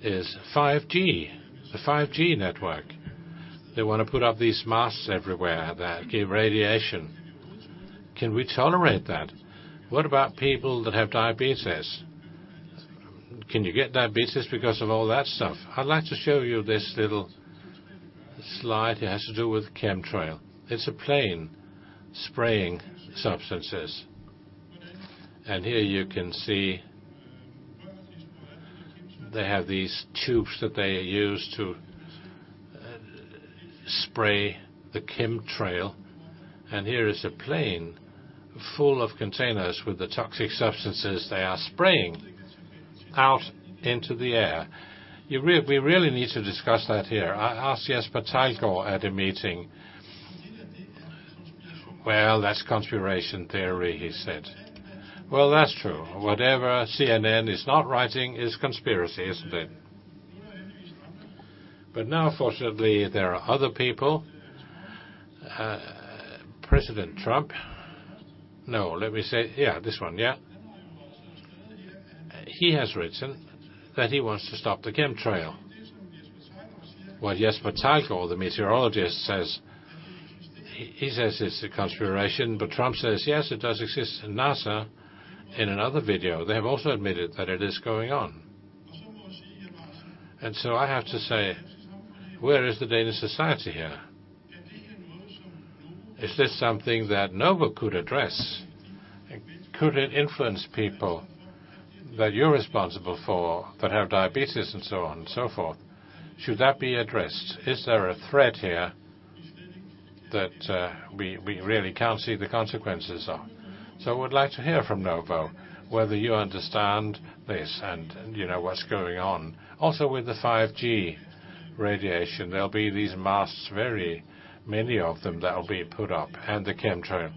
H: is 5G, the 5G network. They want to put up these masts everywhere that give radiation. Can we tolerate that? What about people that have diabetes? Can you get diabetes because of all that stuff? I'd like to show you this little slide. It has to do with chemtrail. It's a plane spraying substances. Here you can see they have these tubes that they use to spray the chemtrail, and here is a plane full of containers with the toxic substances they are spraying out into the air. We really need to discuss that here. I asked Jesper Theilgaard at a meeting. "That's conspiracy theory," he said. That's true. Whatever CNN is not writing is conspiracy, isn't it? Now, fortunately, there are other people. President Trump, no, let me say. He has written that he wants to stop the chemtrail, while Jesper Theilgaard, the meteorologist says it's a conspiracy, but Trump says, "Yes, it does exist." NASA, in another video, they have also admitted that it is going on. I have to say, where is the Danish society here? Is this something that Novo could address? Could it influence people that you're responsible for that have diabetes and so on and so forth? Should that be addressed? Is there a threat here that we really can't see the consequences of? I would like to hear from Novo, whether you understand this and you know what's going on. Also with the 5G radiation, there'll be these masts, very many of them that will be put up, and the chemtrail.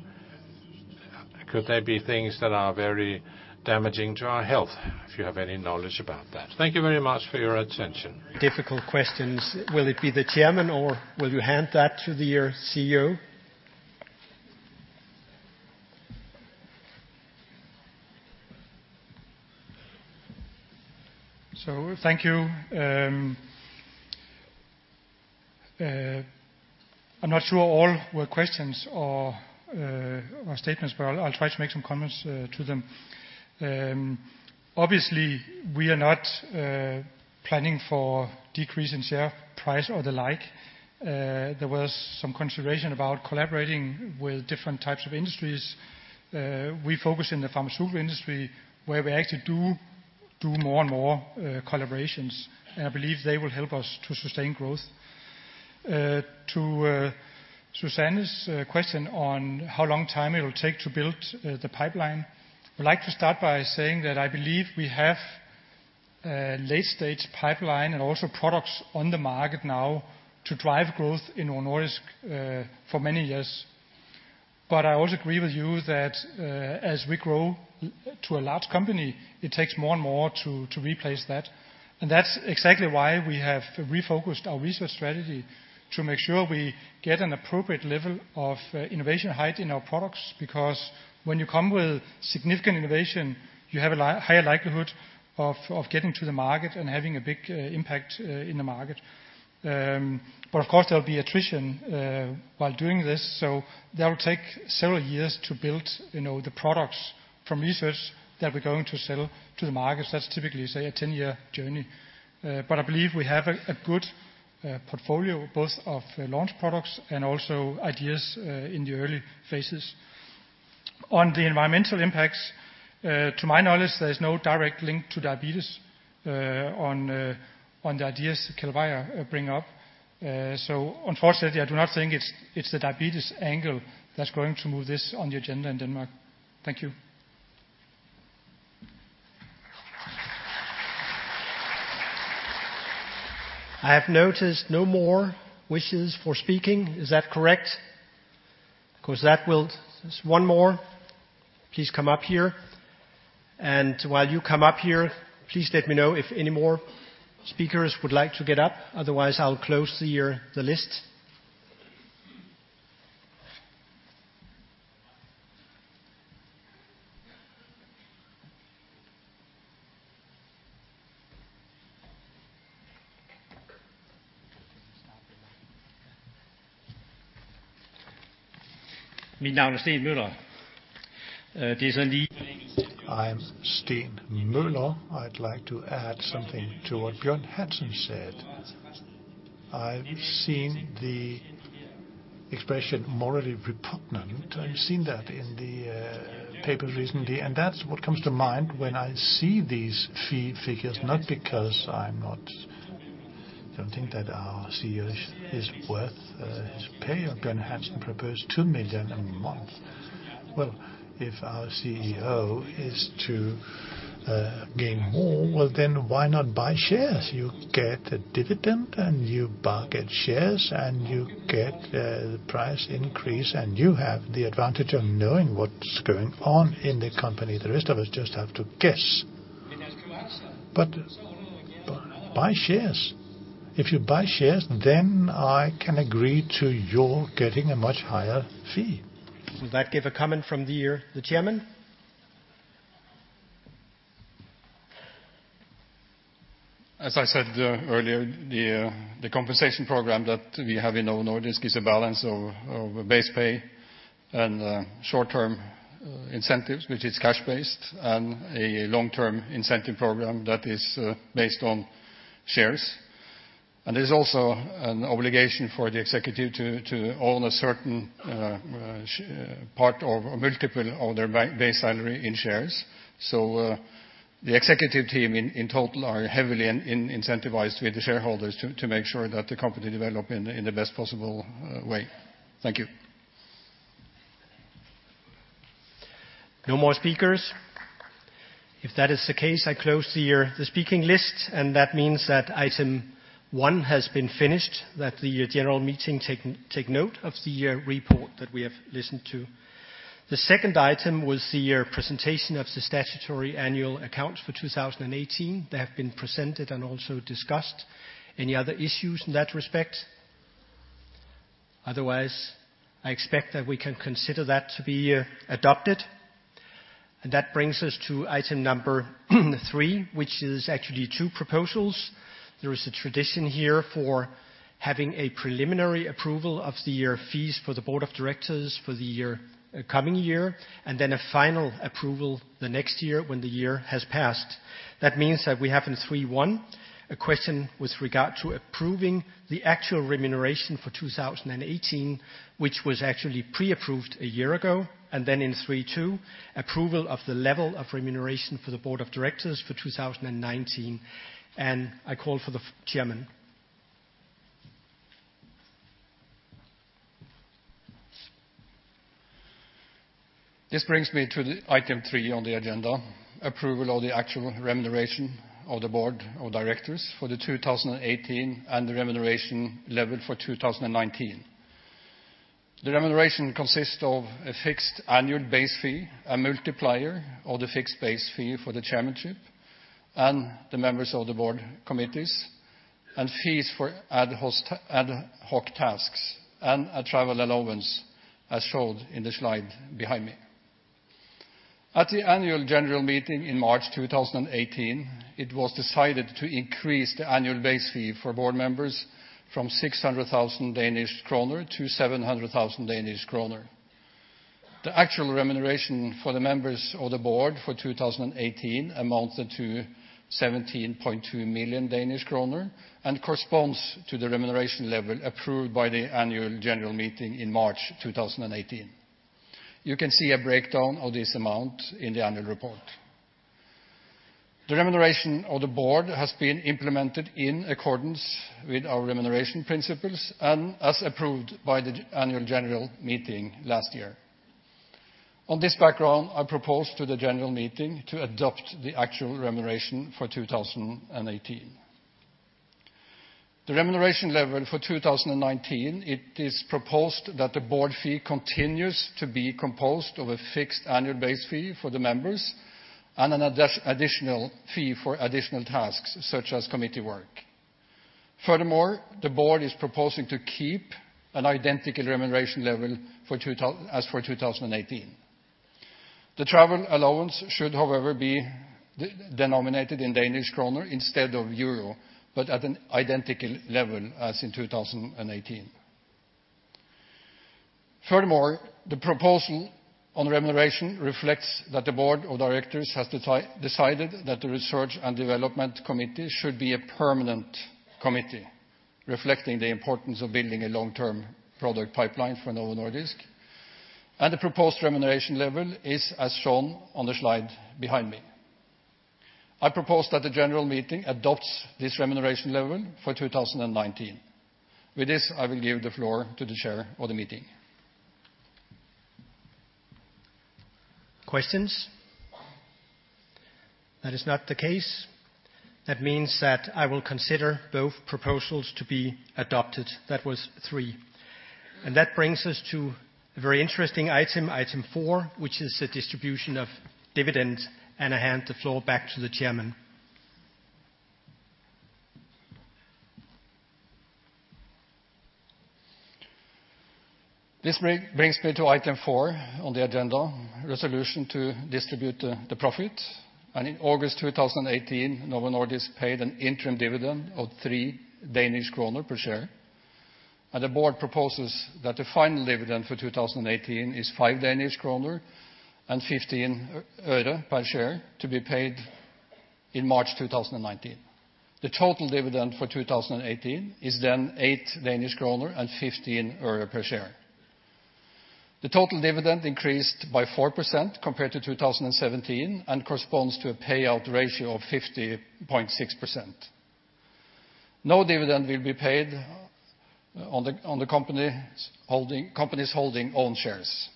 H: Could there be things that are very damaging to our health? If you have any knowledge about that. Thank you very much for your attention.
B: Difficult questions. Will it be the chairman or will you hand that to your CEO?
C: Thank you. I am not sure all were questions or statements. I will try to make some comments to them. Obviously, we are not planning for decrease in share price or the like. There was some consideration about collaborating with different types of industries. We focus in the pharmaceutical industry where we actually do more and more collaborations. I believe they will help us to sustain growth. To Susanne Roel's question on how long time it will take to build the pipeline. I would like to start by saying that I believe we have a late-stage pipeline and also products on the market now to drive growth in Novo Nordisk for many years. I also agree with you that as we grow to a large company, it takes more and more to replace that. That is exactly why we have refocused our research strategy to make sure we get an appropriate level of innovation height in our products, because when you come with significant innovation, you have a higher likelihood of getting to the market and having a big impact in the market. Of course, there will be attrition while doing this, so that will take several years to build the products from research that we are going to sell to the market. That is typically, say, a 10-year journey. I believe we have a good portfolio both of launch products and also ideas in the early phases. On the environmental impacts, to my knowledge, there is no direct link to diabetes on the ideas that Keld Bayer bring up. Unfortunately, I do not think it is the diabetes angle that is going to move this on the agenda in Denmark. Thank you.
B: I have noticed no more wishes for speaking. Is that correct? There is one more. Please come up here. While you come up here, please let me know if any more speakers would like to get up. Otherwise, I will close the list.
I: I am Steen Møller. I would like to add something to what Bjørn Hansen said. I have seen the expression morally repugnant. I have seen that in the paper recently, and that is what comes to mind when I see these fee figures, not because I do not think that our CEO is worth his pay of, Bjørn Hansen proposed 2 million a month. If our CEO is to gain more, why not buy shares? You get a dividend and you bucket shares, you get the price increase, and you have the advantage of knowing what is going on in the company. The rest of us just have to guess. Buy shares. If you buy shares, I can agree to your getting a much higher fee.
B: Would that give a comment from the chairman?
A: As I said earlier, the compensation program that we have in Novo Nordisk is a balance of base pay and short-term incentives, which is cash-based, and a long-term incentive program that is based on shares. There's also an obligation for the executive to own a certain part of a multiple of their base salary in shares. The executive team in total are heavily incentivized with the shareholders to make sure that the company develop in the best possible way. Thank you.
B: No more speakers? If that is the case, I close the speaking list. That means that item 1 has been finished, that the general meeting take note of the report that we have listened to. The second item was the presentation of the statutory annual account for 2018 that have been presented and also discussed. Any other issues in that respect? Otherwise, I expect that we can consider that to be adopted. That brings us to item number 3, which is actually two proposals. There is a tradition here for having a preliminary approval of the year fees for the board of directors for the coming year, and then a final approval the next year when the year has passed. That means that we have in 3.1 a question with regard to approving the actual remuneration for 2018, which was actually pre-approved a year ago. In 3.2, approval of the level of remuneration for the board of directors for 2019. I call for the chairman.
A: This brings me to the item 3 on the agenda, approval of the actual remuneration of the Board of Directors for 2018, and the remuneration level for 2019. The remuneration consists of a fixed annual base fee, a multiplier of the fixed base fee for the Chairmanship, and the members of the Board committees, and fees for ad hoc tasks, and a travel allowance as showed in the slide behind me. At the annual general meeting in March 2018, it was decided to increase the annual base fee for Board members from 600,000 Danish kroner to 700,000 Danish kroner. The actual remuneration for the members of the Board for 2018 amounted to 17.2 million Danish kroner, and corresponds to the remuneration level approved by the annual general meeting in March 2018. You can see a breakdown of this amount in the annual report. The remuneration of the Board has been implemented in accordance with our remuneration principles and as approved by the annual general meeting last year. On this background, I propose to the general meeting to adopt the actual remuneration for 2018. The remuneration level for 2019, it is proposed that the Board fee continues to be composed of a fixed annual base fee for the members and an additional fee for additional tasks, such as committee work. Furthermore, the Board is proposing to keep an identical remuneration level as for 2018. The travel allowance should, however, be denominated in DKK instead of EUR, but at an identical level as in 2018. Furthermore, the proposal on remuneration reflects that the Board of Directors has decided that the Research and Development Committee should be a permanent committee, reflecting the importance of building a long-term product pipeline for Novo Nordisk. The proposed remuneration level is as shown on the slide behind me. I propose that the general meeting adopts this remuneration level for 2019. With this, I will give the floor to the Chair of the Meeting.
B: Questions? That is not the case. That means that I will consider both proposals to be adopted. That was three. That brings us to a very interesting item 4, which is the distribution of dividend, and I hand the floor back to the Chairman.
A: This brings me to item 4 on the agenda, resolution to distribute the profit. In August 2018, Novo Nordisk paid an interim dividend of 3 Danish kroner per share. The board proposes that the final dividend for 2018 is DKK 5.15 per share to be paid in March 2019. The total dividend for 2018 is DKK 8.15 per share. The total dividend increased by 4% compared to 2017, corresponds to a payout ratio of 50.6%. No dividend will be paid on the company's holding own shares.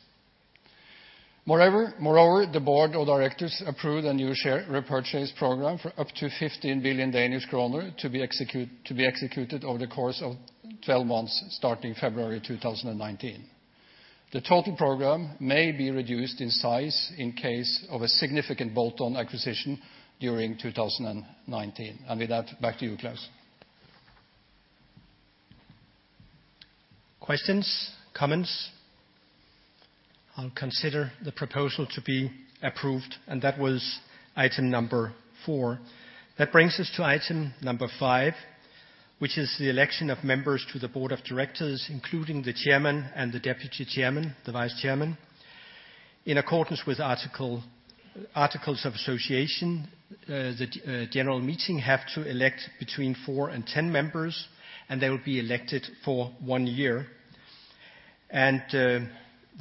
A: Moreover, the board of directors approved a new share repurchase program for up to 15 billion Danish kroner to be executed over the course of 12 months, starting February 2019. The total program may be reduced in size in case of a significant bolt-on acquisition during 2019. With that, back to you, Claus.
B: Questions, comments? I'll consider the proposal to be approved, that was item 4. That brings us to item 5, which is the election of members to the board of directors, including the chairman and the deputy chairman, the vice chairman. In accordance with articles of association, the general meeting have to elect between 4 and 10 members, they will be elected for one year. The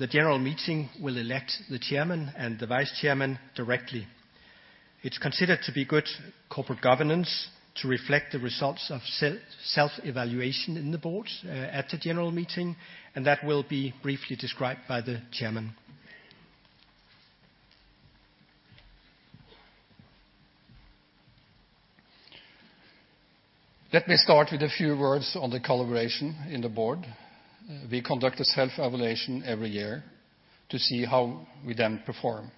B: general meeting will elect the chairman and the vice chairman directly. It's considered to be good corporate governance to reflect the results of self-evaluation in the board at the general meeting, that will be briefly described by the chairman.
A: Let me start with a few words on the collaboration in the board. We conduct a self-evaluation every year to see how we then perform.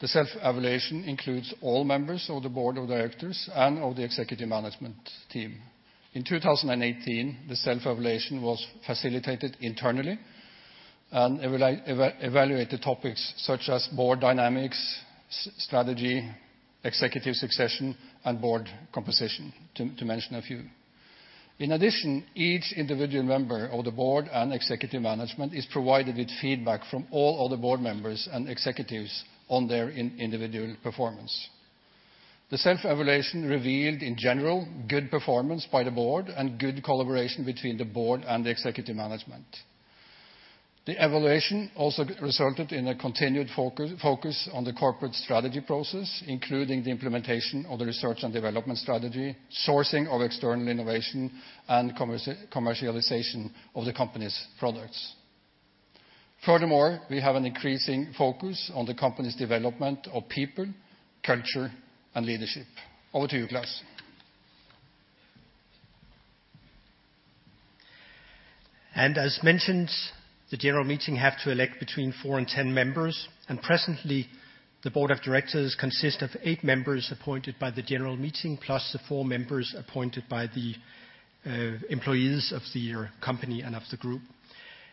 A: The self-evaluation includes all members of the board of directors and of the executive management team. In 2018, the self-evaluation was facilitated internally and evaluated topics such as board dynamics, strategy, executive succession, and board composition, to mention a few. In addition, each individual member of the board and executive management is provided with feedback from all other board members and executives on their individual performance. The self-evaluation revealed, in general, good performance by the board and good collaboration between the board and the executive management. The evaluation also resulted in a continued focus on the corporate strategy process, including the implementation of the research and development strategy, sourcing of external innovation, and commercialization of the company's products. Furthermore, we have an increasing focus on the company's development of people, culture, and leadership. Over to you, Claus.
B: As mentioned, the general meeting have to elect between four and 10 members. Presently, the board of directors consists of eight members appointed by the general meeting, plus the four members appointed by the employees of the company and of the group.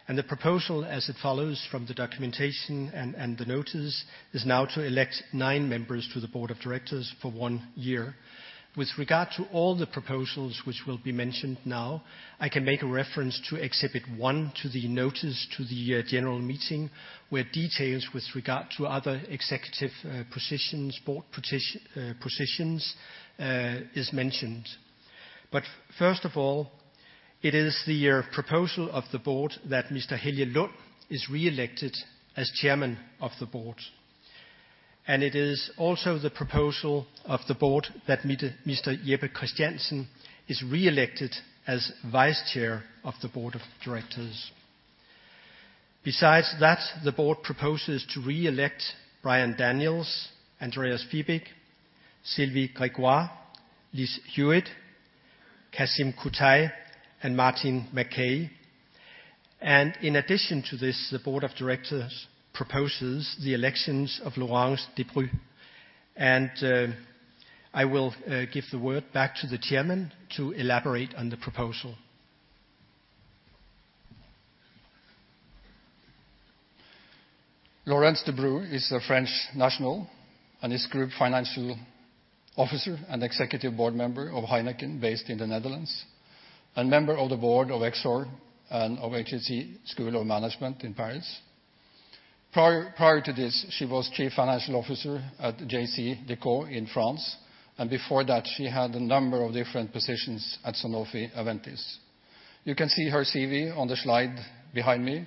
B: The proposal, as it follows from the documentation and the notice, is now to elect nine members to the board of directors for one year. With regard to all the proposals which will be mentioned now, I can make a reference to exhibit one, to the notice to the general meeting, where details with regard to other executive positions, board positions, is mentioned. First of all, it is the proposal of the board that Mr. Helge Lund is reelected as Chairman of the Board. It is also the proposal of the board that Mr. Jeppe Christiansen is reelected as Vice Chair of the Board of Directors. Besides that, the board proposes to reelect Brian Daniels, Andreas Fibig, Sylvie Grégoire, Liz Hewitt, Kasim Kutay, and Martin Mackay. In addition to this, the board of directors proposes the elections of Laurence Debroux. I will give the word back to the Chairman to elaborate on the proposal.
A: Laurence Debroux is a French national and is Group Financial Officer and Executive Board Member of Heineken, based in the Netherlands, and member of the board of Exor and of HEC Paris. Prior to this, she was Chief Financial Officer at JCDecaux in France, and before that, she had a number of different positions at Sanofi-Aventis. You can see her CV on the slide behind me.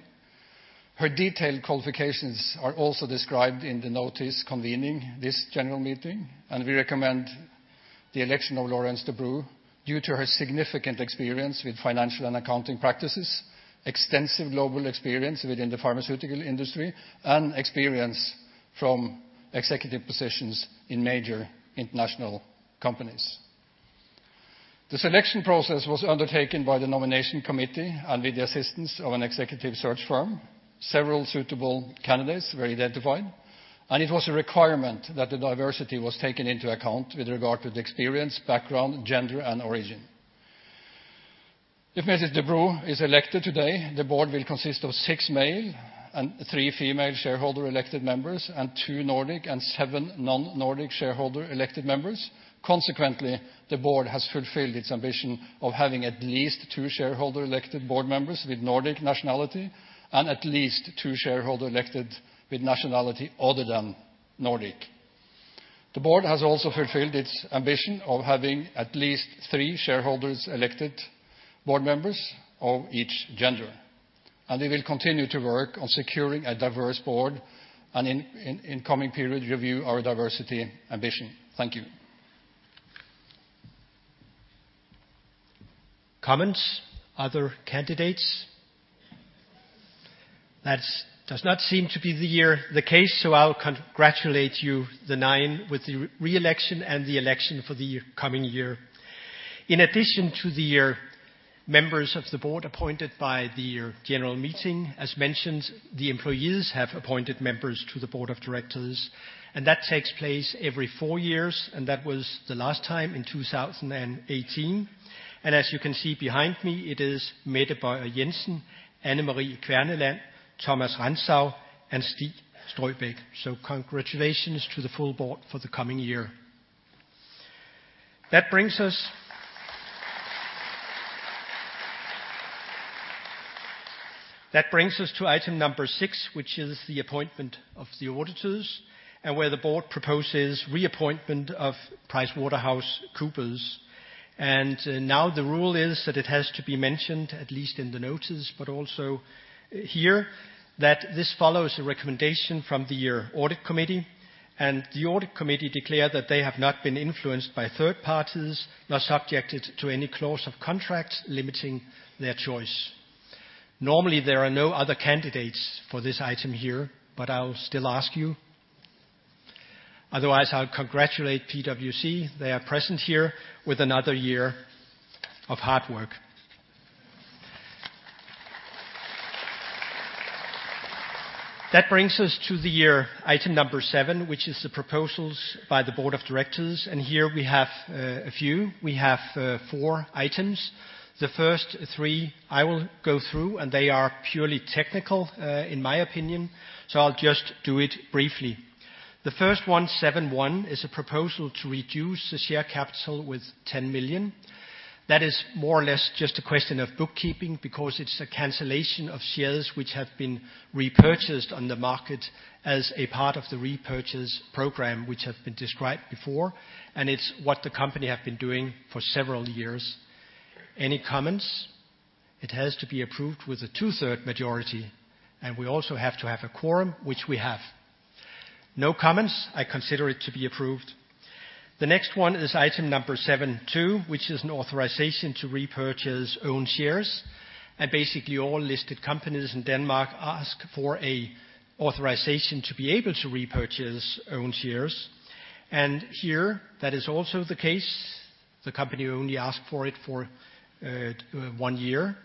A: Her detailed qualifications are also described in the notice convening this general meeting, and we recommend the election of Laurence Debroux due to her significant experience with financial and accounting practices, extensive global experience within the pharmaceutical industry, and experience from executive positions in major international companies. The selection process was undertaken by the nomination committee and with the assistance of an executive search firm. Several suitable candidates were identified, it was a requirement that the diversity was taken into account with regard to the experience, background, gender, and origin. If Mrs. Debroux is elected today, the board will consist of six male and three female shareholder elected members and two Nordic and seven non-Nordic shareholder elected members. Consequently, the board has fulfilled its ambition of having at least two shareholder elected board members with Nordic nationality and at least two shareholder elected with nationality other than Nordic. The board has also fulfilled its ambition of having at least three shareholders elected board members of each gender, they will continue to work on securing a diverse board and in coming period review our diversity ambition. Thank you.
B: Comments? Other candidates? That does not seem to be the case, I'll congratulate you, the nine, with the reelection and the election for the coming year. In addition to the members of the board appointed by the general meeting, as mentioned, the employees have appointed members to the board of directors, that takes place every four years, that was the last time in 2018. As you can see behind me, it is Mette Bøjer Jensen, Anne Marie Kverneland, Thomas Rantzau, and Stig Strøbæk. Congratulations to the full board for the coming year. That brings us to item number six, which is the appointment of the auditors, where the board proposes reappointment of PricewaterhouseCoopers. Now the rule is that it has to be mentioned, at least in the notice, but also here, that this follows a recommendation from the audit committee. The audit committee declare that they have not been influenced by third parties, nor subjected to any clause of contract limiting their choice. Normally, there are no other candidates for this item here, I'll still ask you. Otherwise, I'll congratulate PwC. They are present here with another year of hard work. That brings us to the item number seven, which is the proposals by the board of directors. Here we have a few. We have four items. The first three I will go through, they are purely technical in my opinion, I'll just do it briefly. The first one, 7.1, is a proposal to reduce the share capital with 10 million. That is more or less just a question of bookkeeping because it's a cancellation of shares which have been repurchased on the market as a part of the repurchase program, which have been described before, it's what the company have been doing for several years. Any comments? It has to be approved with a two-third majority, we also have to have a quorum, which we have. No comments. I consider it to be approved. The next one is item number 7.2, which is an authorization to repurchase own shares, basically, all listed companies in Denmark ask for a authorization to be able to repurchase own shares. Here, that is also the case. The company only asked for it for one year.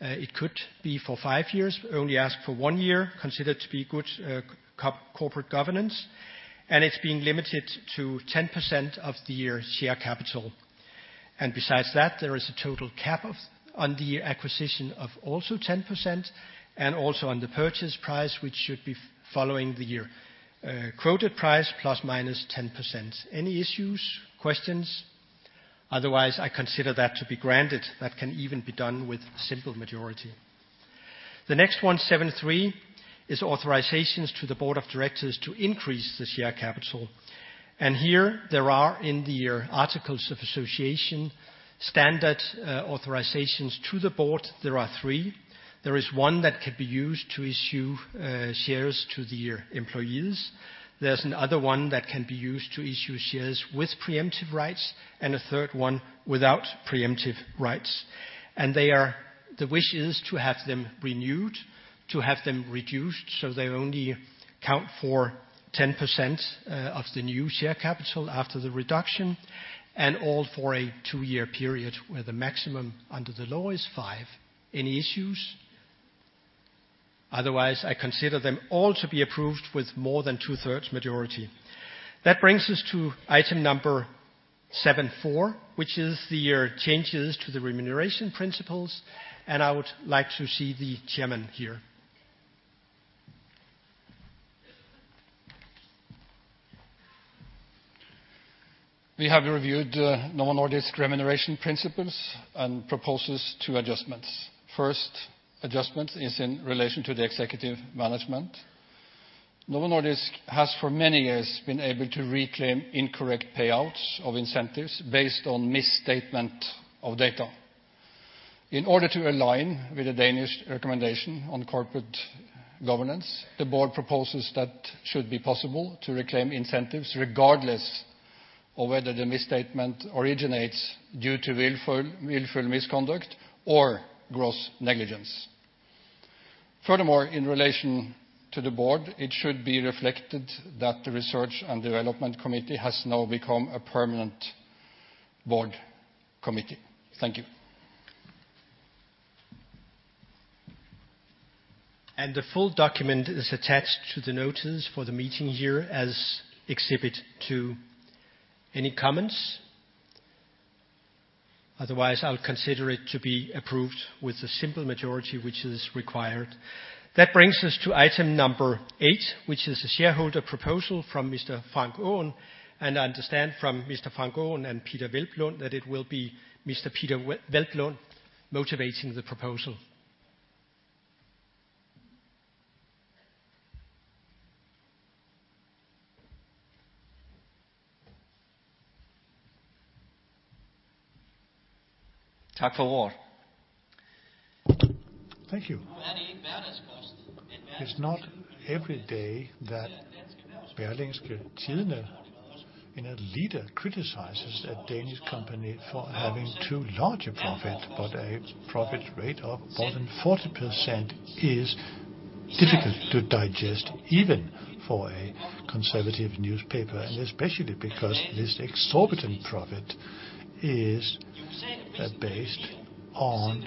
B: It could be for five years, but only asked for one year, considered to be good corporate governance, and it's being limited to 10% of your share capital. Besides that, there is a total cap on the acquisition of also 10% and also on the purchase price, which should be following the quoted price plus minus 10%. Any issues, questions? Otherwise, I consider that to be granted. That can even be done with simple majority. The next one, 7.3, is authorizations to the Board of Directors to increase the share capital. Here, there are in the articles of association, standard authorizations to the Board. There are three. There is one that could be used to issue shares to the employees. There's another one that can be used to issue shares with preemptive rights and a third one without preemptive rights. The wish is to have them renewed, to have them reduced, so they only count for 10% of the new share capital after the reduction, and all for a two-year period, where the maximum under the law is five. Any issues? Otherwise, I consider them all to be approved with more than two-thirds majority. That brings us to item number 7.4, which is the changes to the remuneration principles, I would like to see the Chairman here.
A: We have reviewed Novo Nordisk remuneration principles and proposes two adjustments. First adjustment is in relation to the executive management. Novo Nordisk has, for many years, been able to reclaim incorrect payouts of incentives based on misstatement of data. In order to align with the Danish recommendation on corporate governance, the Board proposes that should be possible to reclaim incentives regardless of whether the misstatement originates due to willful misconduct or gross negligence. Furthermore, in relation to the Board, it should be reflected that the Research and Development Committee has now become a permanent Board committee. Thank you.
B: The full document is attached to the notices for the meeting here as exhibit two. Any comments? Otherwise, I'll consider it to be approved with a simple majority, which is required. That brings us to item number eight, which is a shareholder proposal from Mr. Frank Aaen, I understand from Mr. Frank Aaen and Peter Veldlon that it will be Mr. Peter Veldlon motivating the proposal. Thank you for the floor.
J: Thank you. It's not every day that Berlingske Tidende in a leader criticizes a Danish company for having too large a profit. A profit rate of more than 40% is difficult to digest, even for a conservative newspaper, and especially because this exorbitant profit is based on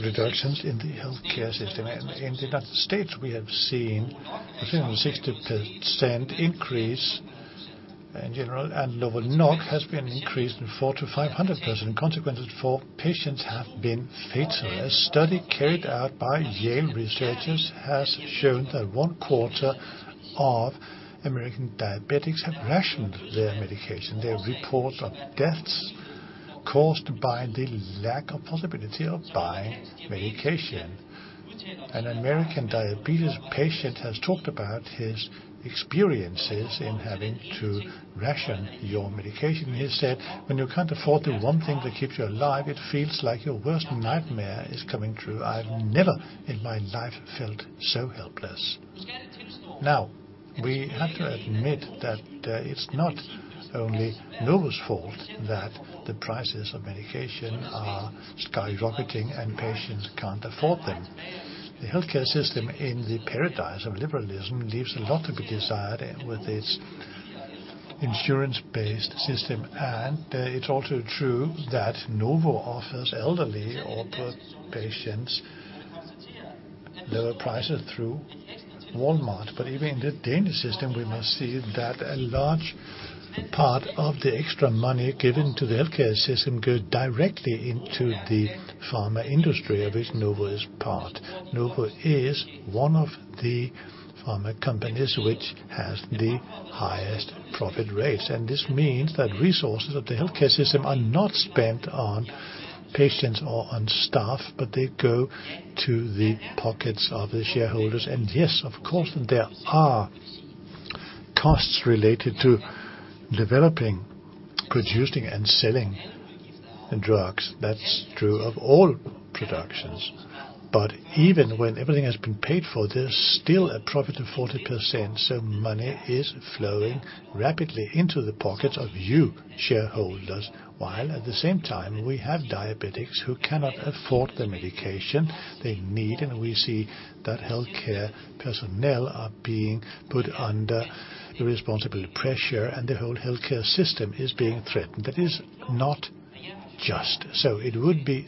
J: reductions in the healthcare system. In the United States, we have seen more than 60% increase in general, NovoLog has been increased 400% to 500%. Consequences for patients have been fatal. A study carried out by Yale researchers has shown that one quarter of American diabetics have rationed their medication. There are reports of deaths caused by the lack of possibility of buying medication. An American diabetes patient has talked about his experiences in having to ration your medication.
I: He said, "When you can't afford the one thing that keeps you alive, it feels like your worst nightmare is coming true. I've never in my life felt so helpless." We have to admit that it's not only Novo's fault that the prices of medication are skyrocketing and patients can't afford them. The healthcare system in the paradise of liberalism leaves a lot to be desired and with its insurance-based system. It's also true that Novo offers elderly or poor patients lower prices through Walmart. Even in the Danish system, we must see that a large part of the extra money given to the healthcare system goes directly into the pharma industry, of which Novo is part. Novo is one of the pharma companies which has the highest profit rates, this means that resources of the healthcare system are not spent on patients or on staff, but they go to the pockets of the shareholders. Yes, of course, there are costs related to developing, producing, and selling drugs. That's true of all productions. Even when everything has been paid for, there's still a profit of 40%, money is flowing rapidly into the pockets of you shareholders, while at the same time, we have diabetics who cannot afford the medication they need, we see that healthcare personnel are being put under irresponsible pressure, the whole healthcare system is being threatened. That is not just. It would be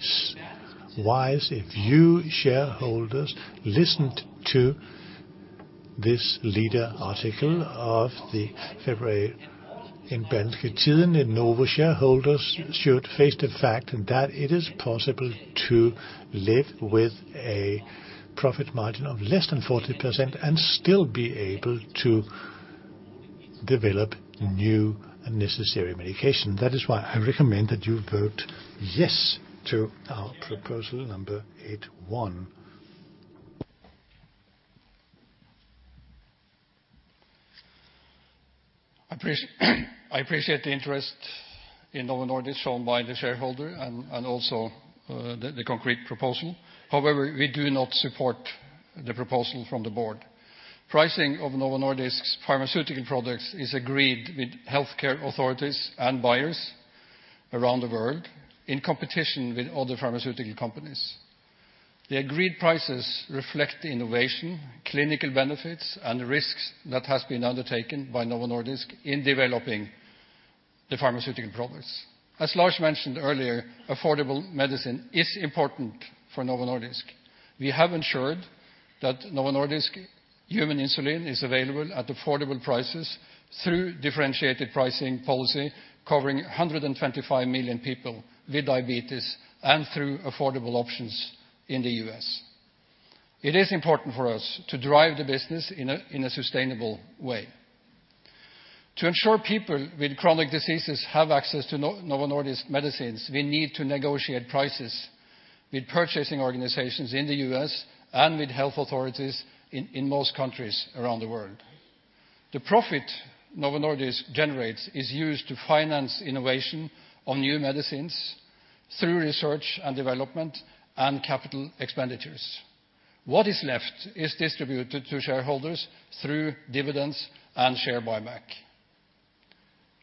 I: wise if you shareholders listened to this leader article of the February in Berlingske Tidende. Novo shareholders should face the fact that it is possible to live with a profit margin of less than 40% and still be able to develop new and necessary medication. That is why I recommend that you vote yes to our proposal number 8.1.
A: I appreciate the interest in Novo Nordisk shown by the shareholder and also the concrete proposal. However, we do not support the proposal from the board. Pricing of Novo Nordisk's pharmaceutical products is agreed with healthcare authorities and buyers around the world in competition with other pharmaceutical companies. The agreed prices reflect the innovation, clinical benefits, and risks that has been undertaken by Novo Nordisk in developing the pharmaceutical products. As Lars mentioned earlier, affordable medicine is important for Novo Nordisk. We have ensured that Novo Nordisk human insulin is available at affordable prices through differentiated pricing policy covering 125 million people with diabetes and through affordable options in the U.S. It is important for us to drive the business in a sustainable way. To ensure people with chronic diseases have access to Novo Nordisk medicines, we need to negotiate prices with purchasing organizations in the U.S. and with health authorities in most countries around the world. The profit Novo Nordisk generates is used to finance innovation of new medicines through research and development and capital expenditures. What is left is distributed to shareholders through dividends and share buyback.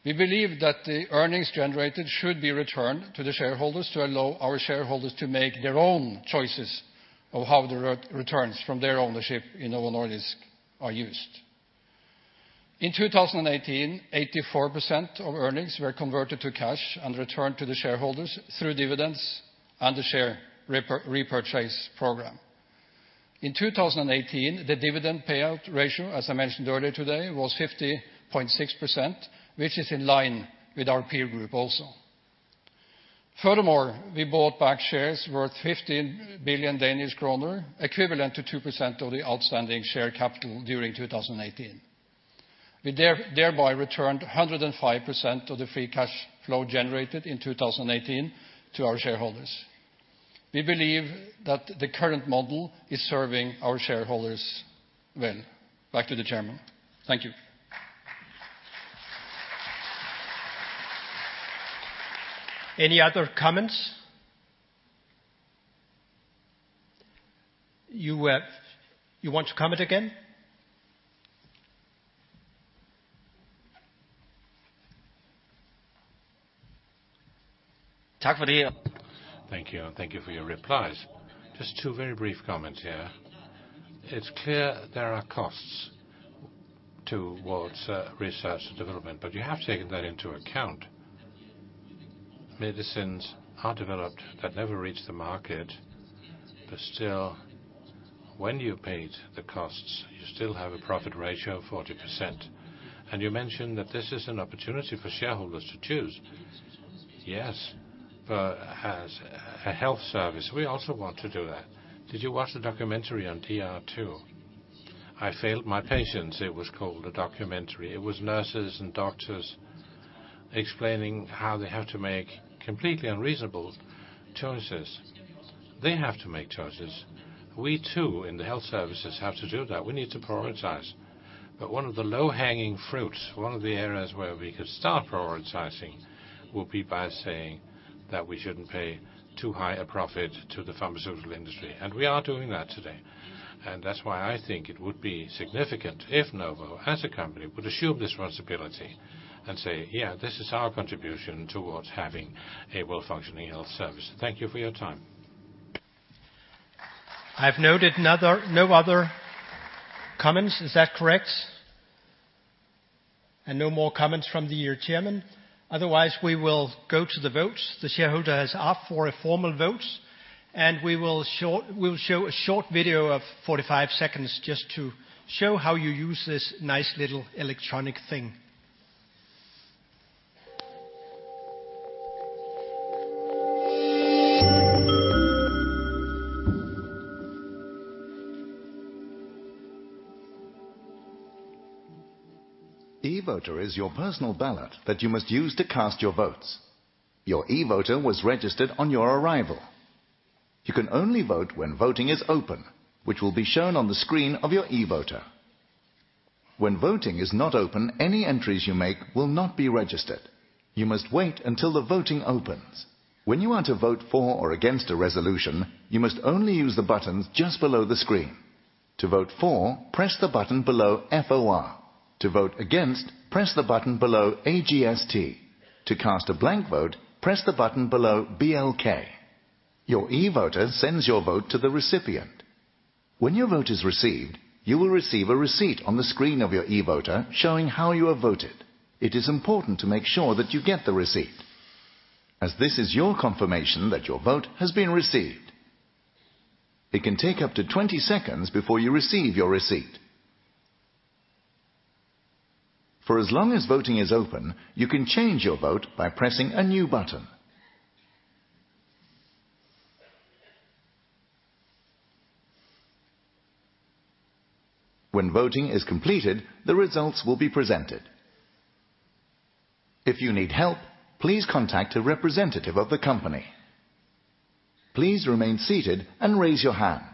A: We believe that the earnings generated should be returned to the shareholders to allow our shareholders to make their own choices of how the returns from their ownership in Novo Nordisk are used. In 2018, 84% of earnings were converted to cash and returned to the shareholders through dividends and the share repurchase program. In 2018, the dividend payout ratio, as I mentioned earlier today, was 50.6%, which is in line with our peer group also. We bought back shares worth 15 billion Danish kroner, equivalent to 2% of the outstanding share capital during 2018. We thereby returned 105% of the free cash flow generated in 2018 to our shareholders. We believe that the current model is serving our shareholders well. Back to the Chairman. Thank you.
B: Any other comments? You want to comment again?
J: Thank you, and thank you for your replies. Just two very brief comments here. It's clear there are costs towards research and development, but you have taken that into account. Medicines are developed that never reach the market. Still, when you paid the costs, you still have a profit ratio of 40%. You mentioned that this is an opportunity for shareholders to choose. Yes, as a health service, we also want to do that. Did you watch the documentary on DR2? "I Failed My Patients" it was called, a documentary. It was nurses and doctors explaining how they have to make completely unreasonable choices. They have to make choices. We too, in the health services, have to do that. We need to prioritize.
I: One of the low-hanging fruits, one of the areas where we could start prioritizing, will be by saying that we shouldn't pay too high a profit to the pharmaceutical industry, and we are doing that today. That's why I think it would be significant if Novo, as a company, would assume this responsibility and say, "Yeah, this is our contribution towards having a well-functioning health service." Thank you for your time.
B: I've noted no other comments. Is that correct? No more comments from the chairman. Otherwise, we will go to the votes. The shareholder has asked for a formal vote. We'll show a short video of 45 seconds just to show how you use this nice little electronic thing.
K: e-voter is your personal ballot that you must use to cast your votes. Your e-voter was registered on your arrival. You can only vote when voting is open, which will be shown on the screen of your e-voter. When voting is not open, any entries you make will not be registered. You must wait until the voting opens. When you want to vote for or against a resolution, you must only use the buttons just below the screen. To vote for, press the button below FOR. To vote against, press the button below AGST. To cast a blank vote, press the button below BLK. Your e-voter sends your vote to the recipient. When your vote is received, you will receive a receipt on the screen of your e-voter showing how you have voted. It is important to make sure that you get the receipt, as this is your confirmation that your vote has been received. It can take up to 20 seconds before you receive your receipt. For as long as voting is open, you can change your vote by pressing a new button. When voting is completed, the results will be presented. If you need help, please contact a representative of the company. Please remain seated and raise your hand.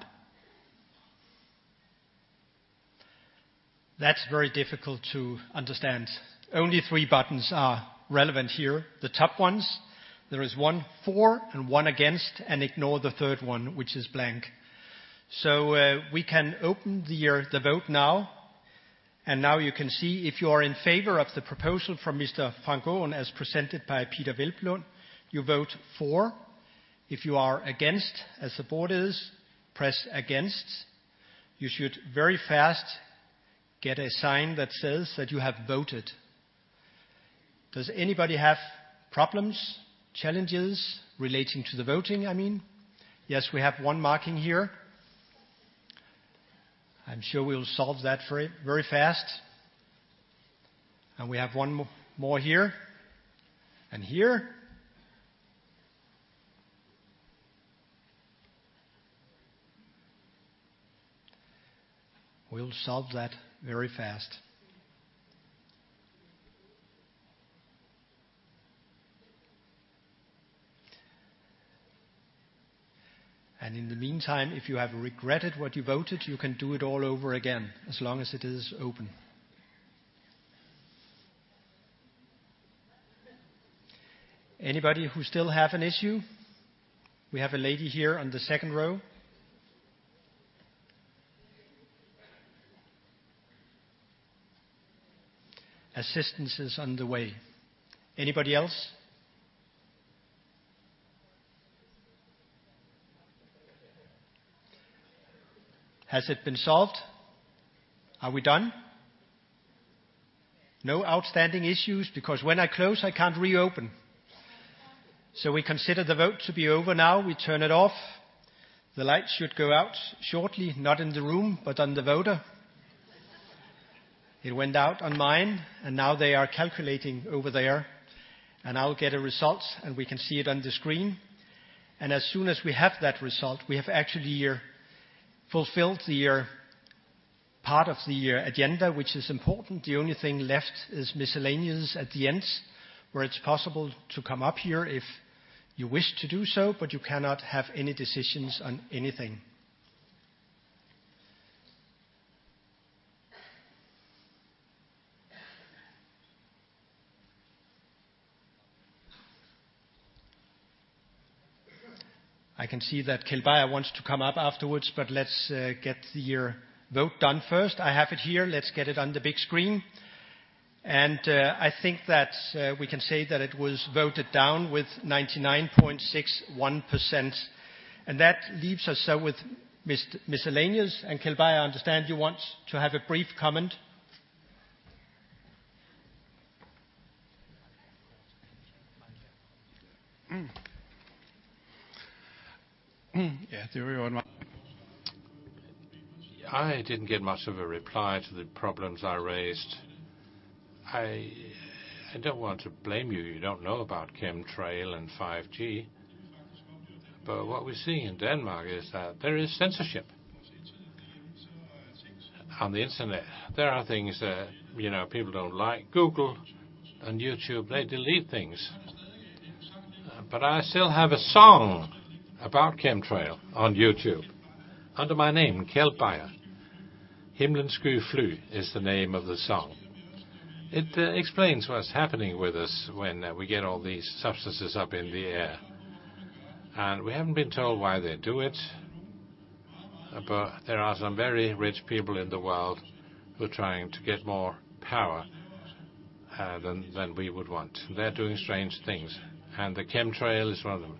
B: That's very difficult to understand. Only three buttons are relevant here, the top ones. There is one For and one Against, and ignore the third one, which is Blank. We can open the vote now. Now you can see if you are in favor of the proposal from Mr. Frank Aaen as presented by Peder Hvelplund, you vote For. If you are against as a board is, press Against. You should very fast get a sign that says that you have voted. Does anybody have problems, challenges relating to the voting, I mean? Yes, we have one marking here. I'm sure we'll solve that very fast. We have one more here, and here. We'll solve that very fast. In the meantime, if you have regretted what you voted, you can do it all over again as long as it is open. Anybody who still have an issue? We have a lady here on the second row. Assistance is on the way. Anybody else? Has it been solved? Are we done? No outstanding issues, because when I close, I can't reopen. We consider the vote to be over now. We turn it off. The light should go out shortly, not in the room, but on the voter. It went out on mine, and now they are calculating over there, and I'll get a result, and we can see it on the screen. As soon as we have that result, we have actually fulfilled the part of the agenda, which is important. The only thing left is miscellaneous at the end, where it's possible to come up here if you wish to do so, but you cannot have any decisions on anything. I can see that Keld Bayer wants to come up afterwards, but let's get the vote done first. I have it here. Let's get it on the big screen. I think that we can say that it was voted down with 99.61%. That leaves us with miscellaneous. Keld Bayer, I understand you want to have a brief comment.
H: Yeah. I didn't get much of a reply to the problems I raised. I don't want to blame you. You don't know about chemtrail and 5G. What we're seeing in Denmark is that there is censorship on the internet. There are things that people don't like. Google and YouTube, they delete things. I still have a song about chemtrail on YouTube under my name, Keld Bayer. "Himlen Skød Flue" is the name of the song. It explains what's happening with us when we get all these substances up in the air. We haven't been told why they do it, but there are some very rich people in the world who are trying to get more power than we would want. They're doing strange things, and the chemtrails are one of them.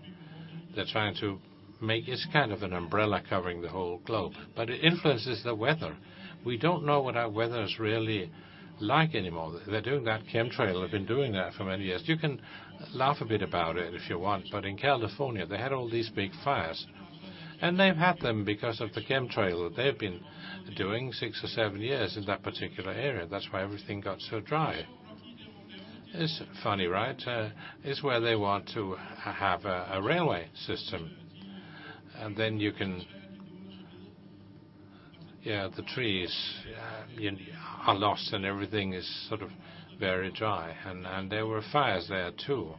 H: They're trying to make this kind of an umbrella covering the whole globe.
F: It influences the weather. We don't know what our weather's really like anymore. They're doing that chemtrail. They've been doing that for many years. You can laugh a bit about it if you want, but in California, they had all these big fires, and they've had them because of the chemtrail that they've been doing six or seven years in that particular area. That's why everything got so dry. It's funny. It's where they want to have a railway system. Then you can. The trees are lost, and everything is sort of very dry. There were fires there, too.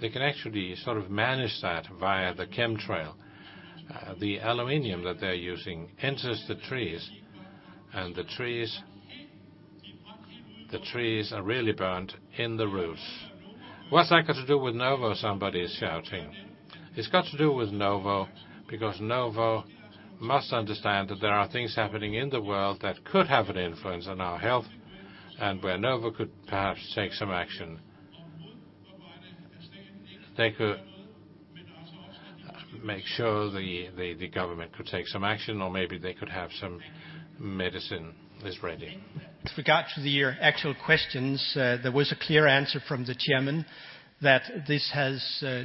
F: They can actually sort of manage that via the chemtrail. The aluminum that they're using enters the trees, and the trees are really burnt in the roots. What's that got to do with Novo? Somebody is shouting. It's got to do with Novo because Novo must understand that there are things happening in the world that could have an influence on our health and where Novo could perhaps take some action. They could make sure the government could take some action, or maybe they could have some medicine is ready.
B: In regards to your actual questions, there was a clear answer from the chairman that this has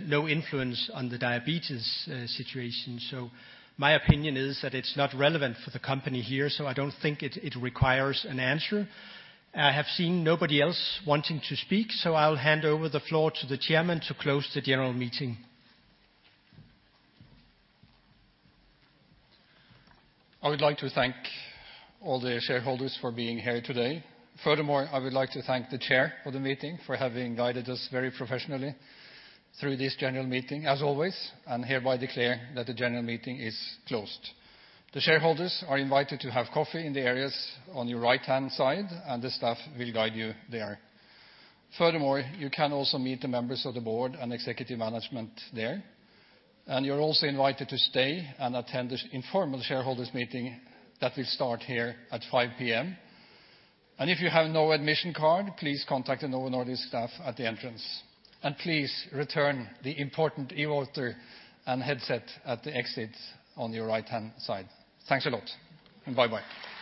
B: no influence on the diabetes situation. My opinion is that it's not relevant for the company here, I don't think it requires an answer. I have seen nobody else wanting to speak, I'll hand over the floor to the chairman to close the general meeting.
A: I would like to thank all the shareholders for being here today. Furthermore, I would like to thank the chair for the meeting for having guided us very professionally through this general meeting as always, and hereby declare that the general meeting is closed. The shareholders are invited to have coffee in the areas on your right-hand side, and the staff will guide you there. Furthermore, you can also meet the members of the board and executive management there, and you're also invited to stay and attend this informal shareholders meeting that will start here at 5:00 P.M. If you have no admission card, please contact the Novo Nordisk staff at the entrance. Please return the important e-voter and headset at the exit on your right-hand side. Thanks a lot, and bye-bye.